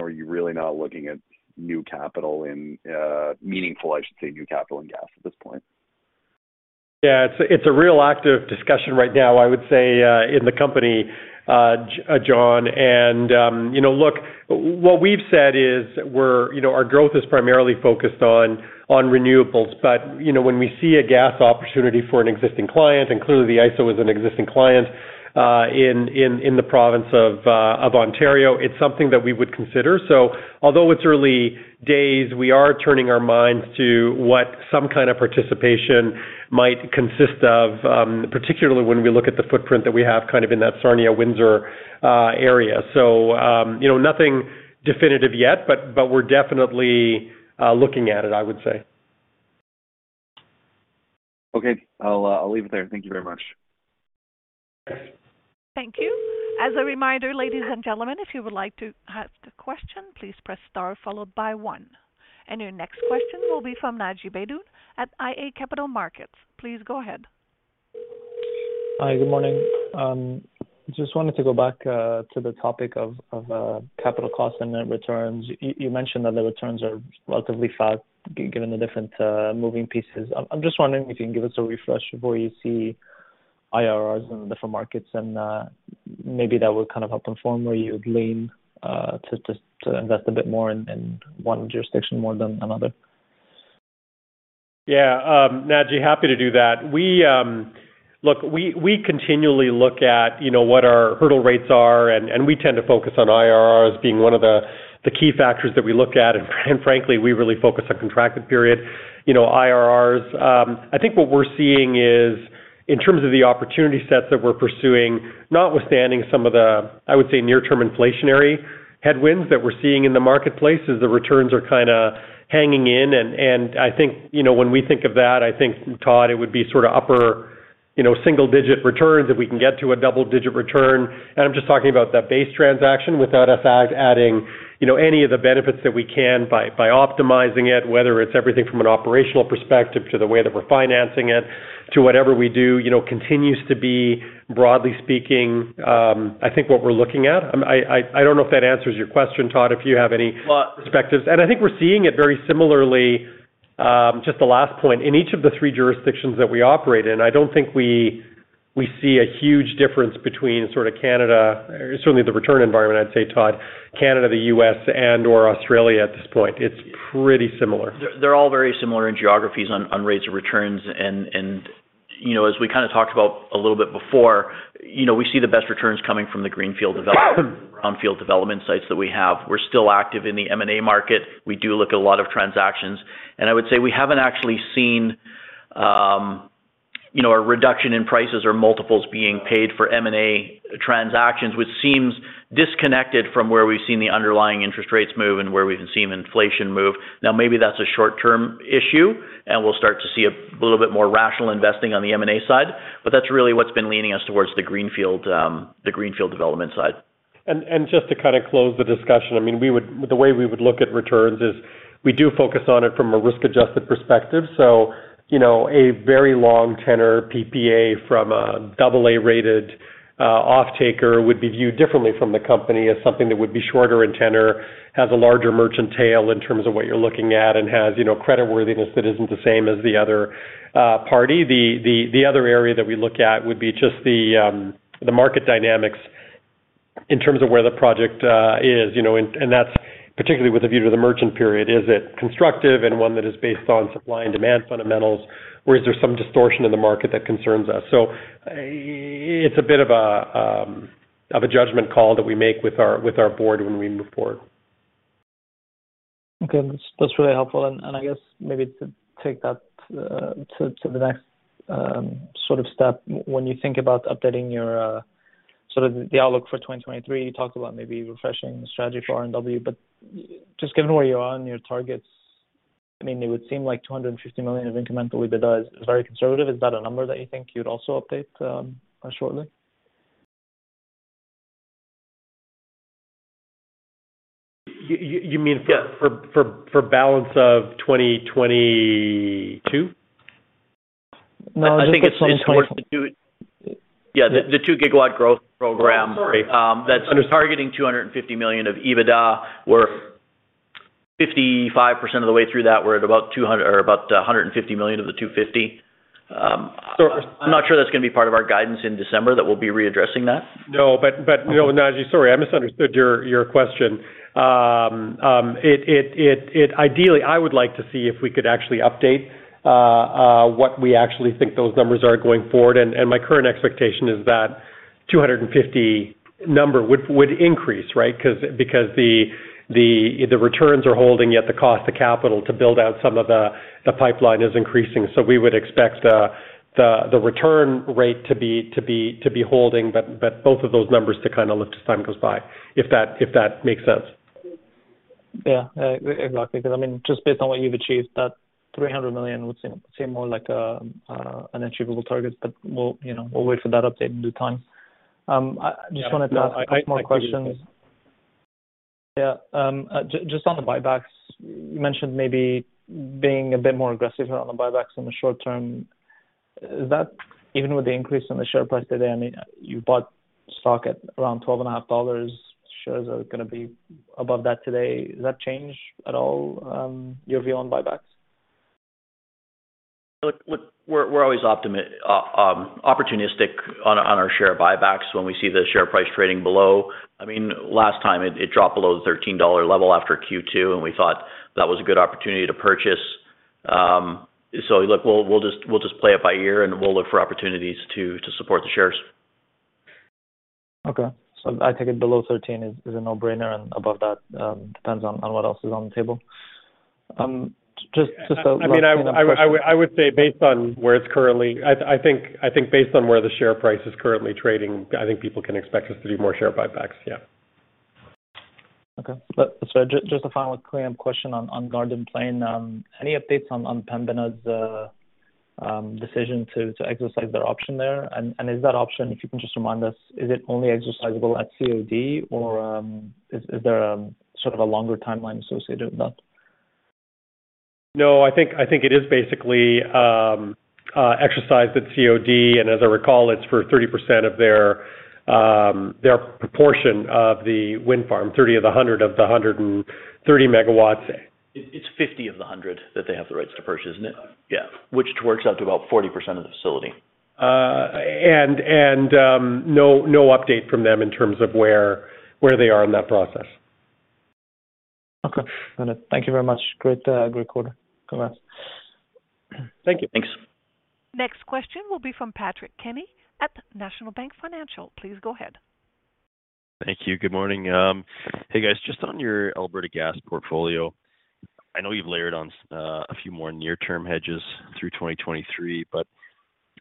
Are you really not looking at meaningful new capital in gas at this point? It's a real active discussion right now, I would say, in the company, John. Look, what we've said is our growth is primarily focused on renewables. When we see a gas opportunity for an existing client, clearly the IESO is an existing client in the province of Ontario, it's something that we would consider. Although it's early days, we are turning our minds to what some kind of participation might consist of, particularly when we look at the footprint that we have in that Sarnia-Windsor area. Nothing definitive yet, we're definitely looking at it, I would say. Okay. I'll leave it there. Thank you very much. Sure. Thank you. As a reminder, ladies and gentlemen, if you would like to ask a question, please press star followed by one. Your next question will be from Naji Baydoun at iA Capital Markets. Please go ahead. Hi, good morning. Just wanted to go back to the topic of capital costs and the returns. You mentioned that the returns are relatively flat given the different moving pieces. I'm just wondering if you can give us a refresh of where you see IRRs in the different markets, and maybe that would help inform where you would lean to invest a bit more in one jurisdiction more than another. Yeah. Naji, happy to do that. Look, we continually look at what our hurdle rates are, and we tend to focus on IRRs being one of the key factors that we look at. Frankly, we really focus on contracted period IRRs. I think what we're seeing is in terms of the opportunity sets that we're pursuing, notwithstanding some of the, I would say, near-term inflationary headwinds that we're seeing in the marketplace, is the returns are hanging in. I think when we think of that, I think, Todd, it would be upper single-digit returns. If we can get to a double-digit return, I'm just talking about that base transaction without us adding any of the benefits that we can by optimizing it, whether it's everything from an operational perspective to the way that we're financing it, to whatever we do, continues to be, broadly speaking, I think what we're looking at. I don't know if that answers your question, Todd, if you have any perspectives. I think we're seeing it very similarly, just the last point, in each of the three jurisdictions that we operate in. I don't think We see a huge difference between Canada, certainly the return environment, I'd say, Todd, Canada, the U.S., and/or Australia at this point. It's pretty similar. They're all very similar in geographies on rates of returns. As we talked about a little bit before, we see the best returns coming from the greenfield development brownfield development sites that we have. We're still active in the M&A market. We do look at a lot of transactions. I would say we haven't actually seen a reduction in prices or multiples being paid for M&A transactions, which seems disconnected from where we've seen the underlying interest rates move and where we've seen inflation move. Maybe that's a short-term issue, and we'll start to see a little bit more rational investing on the M&A side, but that's really what's been leaning us towards the greenfield development side. Just to close the discussion, the way we would look at returns is we do focus on it from a risk-adjusted perspective. A very long tenor PPA from a AA-rated offtaker would be viewed differently from the company as something that would be shorter in tenor, has a larger merchant tail in terms of what you're looking at, and has creditworthiness that isn't the same as the other party. The other area that we look at would be just the market dynamics in terms of where the project is. That's particularly with a view to the merchant period. Is it constructive and one that is based on supply and demand fundamentals, or is there some distortion in the market that concerns us? It's a bit of a judgment call that we make with our board when we move forward. Okay. That's really helpful. I guess, maybe to take that to the next sort of step, when you think about updating the outlook for 2023, you talked about maybe refreshing the strategy for R&W, just given where you are on your targets, it would seem like 250 million of incremental EBITDA is very conservative. Is that a number that you think you'd also update shortly? You mean- Yeah for balance of 2022? No, I think it's- I think it's in terms of Yeah, the two-gigawatt growth program- Oh, sorry. That's targeting 250 million of EBITDA. We're 55% of the way through that. We're at about 150 million of the 250 million. I'm not sure that's going to be part of our guidance in December, that we'll be readdressing that. Naji, sorry, I misunderstood your question. Ideally, I would like to see if we could actually update what we actually think those numbers are going forward. My current expectation is that 250 million number would increase, right? Because the returns are holding, yet the cost of capital to build out some of the pipeline is increasing. We would expect the return rate to be holding, but both of those numbers to lift as time goes by. If that makes sense. Exactly, because just based on what you've achieved, that 300 million would seem more like an achievable target. We'll wait for that update in due time. I just wanted to ask a couple more questions. Just on the buybacks, you mentioned maybe being a bit more aggressive around the buybacks in the short term. Is that even with the increase in the share price today, you bought stock at around 12.50 dollars. Shares are going to be above that today. Does that change at all your view on buybacks? We're always opportunistic on our share buybacks when we see the share price trading below. Last time, it dropped below the 13 dollar level after Q2. We thought that was a good opportunity to purchase. We'll just play it by ear. We'll look for opportunities to support the shares. Okay. I take it below 13 is a no-brainer, and above that, depends on what else is on the table. I would say based on where the share price is currently trading, I think people can expect us to do more share buybacks, yeah. Okay. Just a final clear question on Garden Plain. Any updates on Pembina's decision to exercise their option there? Is that option, if you can just remind us, is it only exercisable at COD, or is there a longer timeline associated with that? No. I think it is basically exercised at COD, and as I recall, it's for 30% of their proportion of the wind farm, 30 of the 100 of the 130 megawatts. It's 50 of the 100 that they have the rights to purchase, isn't it? Yeah. Which works out to about 40% of the facility. No update from them in terms of where they are in that process. Okay. Thank you very much. Great quarter. Congrats. Thank you. Thanks. Next question will be from Patrick Kenny at National Bank Financial. Please go ahead. Thank you. Good morning. Hey, guys, just on your Alberta Gas portfolio. I know you've layered on a few more near-term hedges through 2023, but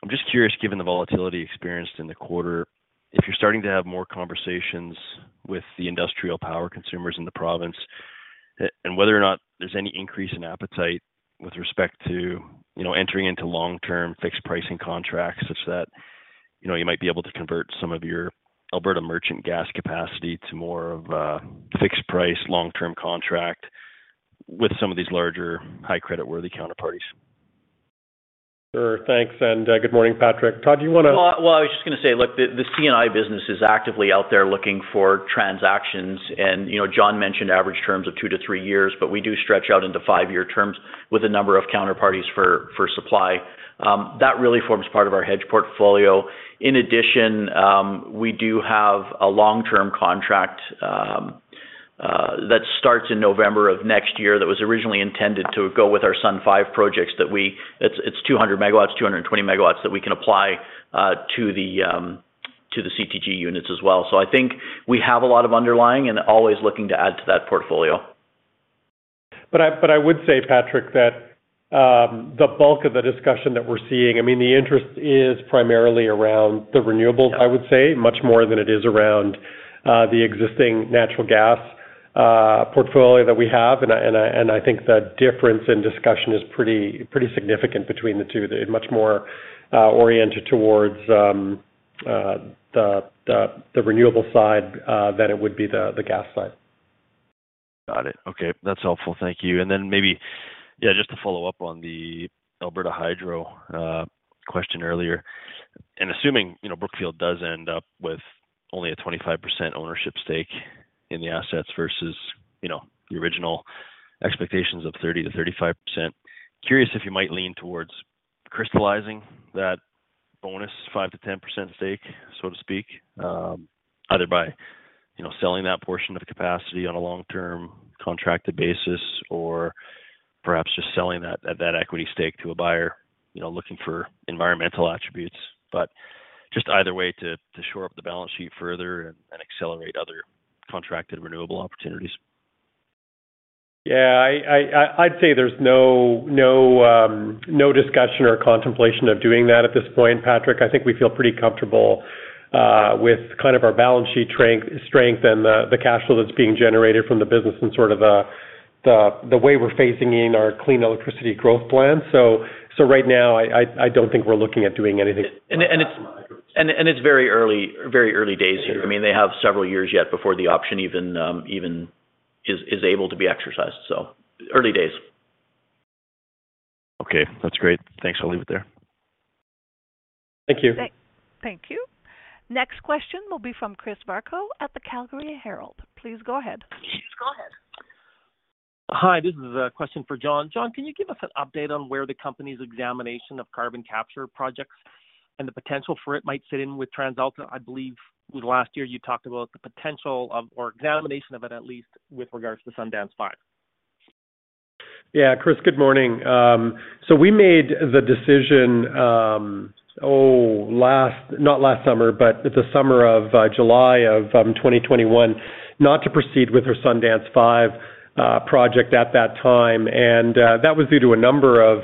I'm just curious, given the volatility experienced in the quarter, if you're starting to have more conversations with the industrial power consumers in the province, and whether or not there's any increase in appetite with respect to entering into long-term fixed pricing contracts, such that you might be able to convert some of your Alberta merchant gas capacity to more of a fixed price long-term contract with some of these larger high creditworthy counterparties. Sure. Thanks. Good morning, Patrick. Todd, do you want to Well, I was just going to say, look, the C&I business is actively out there looking for transactions, John mentioned average terms of two to three years, but we do stretch out into five-year terms with a number of counterparties for supply. That really forms part of our hedge portfolio. In addition, we do have a long-term contract that starts in November of next year. That was originally intended to go with our Sun 5 projects. It's 200 MW, 220 MW that we can apply to the CTG units as well. I think we have a lot of underlying and always looking to add to that portfolio. I would say, Patrick, that the bulk of the discussion that we're seeing, the interest is primarily around the renewables, I would say, much more than it is around the existing natural gas portfolio that we have. I think the difference in discussion is pretty significant between the two. They're much more oriented towards the renewable side than it would be the gas side. Got it. Okay. That's helpful. Thank you. Then maybe, just to follow up on the Alberta Hydro question earlier, assuming Brookfield does end up with only a 25% ownership stake in the assets versus the original expectations of 30%-35%. Curious if you might lean towards crystallizing that bonus five to 10% stake, so to speak, either by selling that portion of capacity on a long-term contracted basis or perhaps just selling that equity stake to a buyer looking for environmental attributes, just either way to shore up the balance sheet further and accelerate other contracted renewable opportunities. Yeah. I'd say there's no discussion or contemplation of doing that at this point, Patrick. I think we feel pretty comfortable with our balance sheet strength and the cash flow that's being generated from the business and the way we're phasing in our clean electricity growth plan. Right now, I don't think we're looking at doing anything like that. It's very early days here. They have several years yet before the option even is able to be exercised. Early days. Okay, that's great. Thanks. I'll leave it there. Thank you. Thank you. Next question will be from Chris Varcoe at Calgary Herald. Please go ahead. Go ahead. Hi, this is a question for John. John, can you give us an update on where the company's examination of carbon capture projects and the potential for it might fit in with TransAlta? I believe last year you talked about the potential of, or examination of it at least with regards to Sundance 5. Chris, good morning. We made the decision, not last summer, but the summer of July of 2021, not to proceed with our Sundance 5 project at that time. That was due to a number of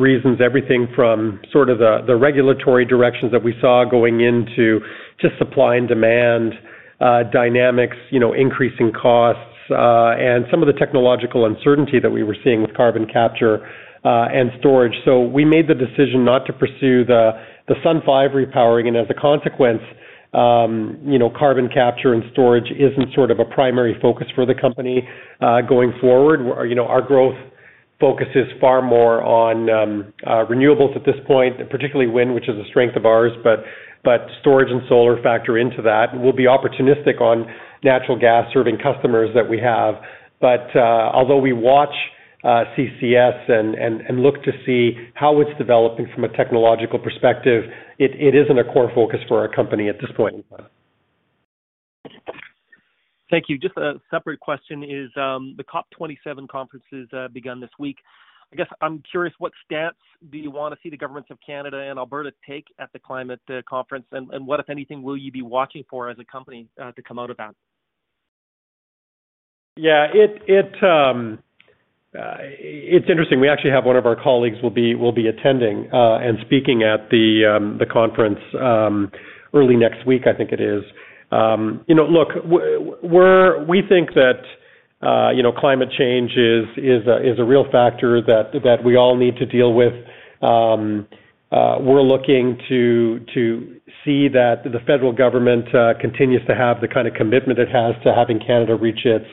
reasons, everything from sort of the regulatory directions that we saw going into, to supply and demand dynamics, increasing costs, and some of the technological uncertainty that we were seeing with carbon capture and storage. We made the decision not to pursue the Sun 5 repowering, and as a consequence, carbon capture and storage isn't sort of a primary focus for the company, going forward. Our growth focus is far more on renewables at this point, particularly wind, which is a strength of ours, but storage and solar factor into that. We'll be opportunistic on natural gas-serving customers that we have. Although we watch CCS and look to see how it's developing from a technological perspective, it isn't a core focus for our company at this point in time. Thank you. Just a separate question is, the COP 27 conference has begun this week. I guess I'm curious, what stance do you want to see the governments of Canada and Alberta take at the climate conference? What, if anything, will you be watching for as a company to come out of that? Yeah. It's interesting. We actually have one of our colleagues attending and speaking at the conference early next week, I think it is. Look, we think that climate change is a real factor that we all need to deal with. We're looking to see that the federal government continues to have the kind of commitment it has to having Canada reach its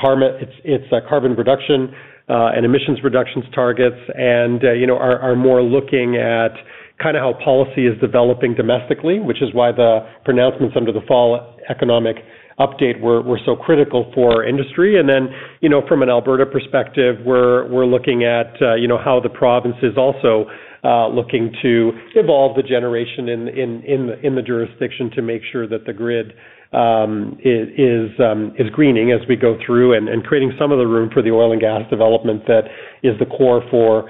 carbon reduction and emissions reductions targets and are more looking at how policy is developing domestically, which is why the pronouncements under the Fall economic update were so critical for our industry. From an Alberta perspective, we're looking at how the province is also looking to evolve the generation in the jurisdiction to make sure that the grid is greening as we go through and creating some of the room for the oil and gas development that is the core for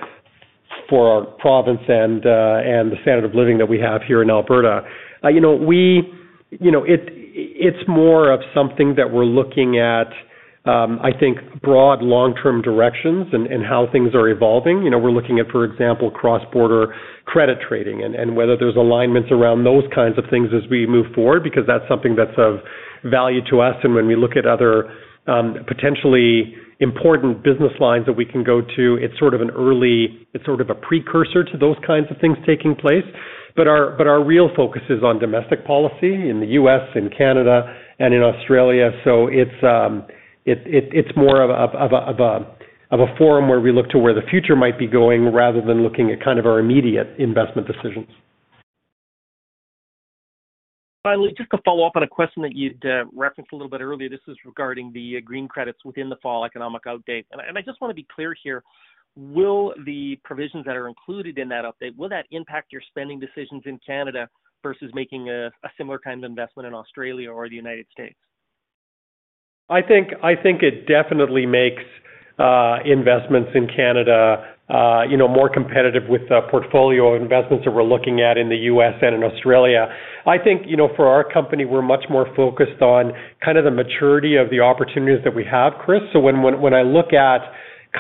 our province and the standard of living that we have here in Alberta. It's more of something that we're looking at, I think, broad long-term directions and how things are evolving. We're looking at, for example, cross-border credit trading and whether there's alignments around those kinds of things as we move forward, because that's something that's of value to us. When we look at other potentially important business lines that we can go to, it's sort of a precursor to those kinds of things taking place. Our real focus is on domestic policy in the U.S. and Canada and in Australia. It's more of a forum where we look to where the future might be going rather than looking at our immediate investment decisions. Finally, just to follow up on a question that you'd referenced a little bit earlier. This is regarding the green credits within the Fall Economic Update. I just want to be clear here, will the provisions that are included in that update, will that impact your spending decisions in Canada versus making a similar kind of investment in Australia or the U.S.? I think it definitely makes investments in Canada more competitive with the portfolio investments that we're looking at in the U.S. and in Australia. I think, for our company, we're much more focused on the maturity of the opportunities that we have, Chris. When I look at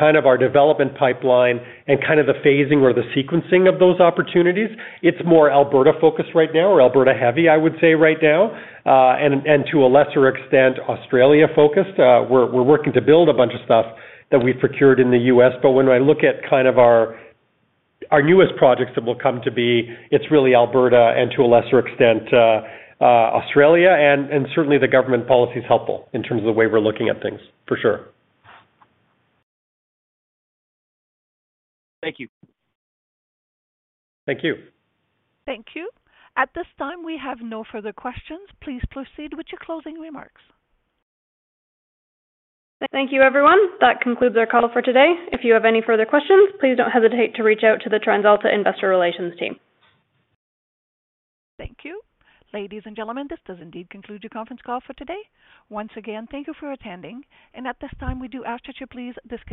our development pipeline and the phasing or the sequencing of those opportunities, it's more Alberta-focused right now, or Alberta-heavy, I would say right now. To a lesser extent, Australia-focused. We're working to build a bunch of stuff that we've procured in the U.S., but when I look at our newest projects that will come to be, it's really Alberta and to a lesser extent, Australia, certainly the government policy's helpful in terms of the way we're looking at things, for sure. Thank you. Thank you. Thank you. At this time, we have no further questions. Please proceed with your closing remarks. Thank you, everyone. That concludes our call for today. If you have any further questions, please don't hesitate to reach out to the TransAlta investor relations team. Thank you. Ladies and gentlemen, this does indeed conclude your conference call for today. Once again, thank you for attending. At this time, we do ask that you please disconnect.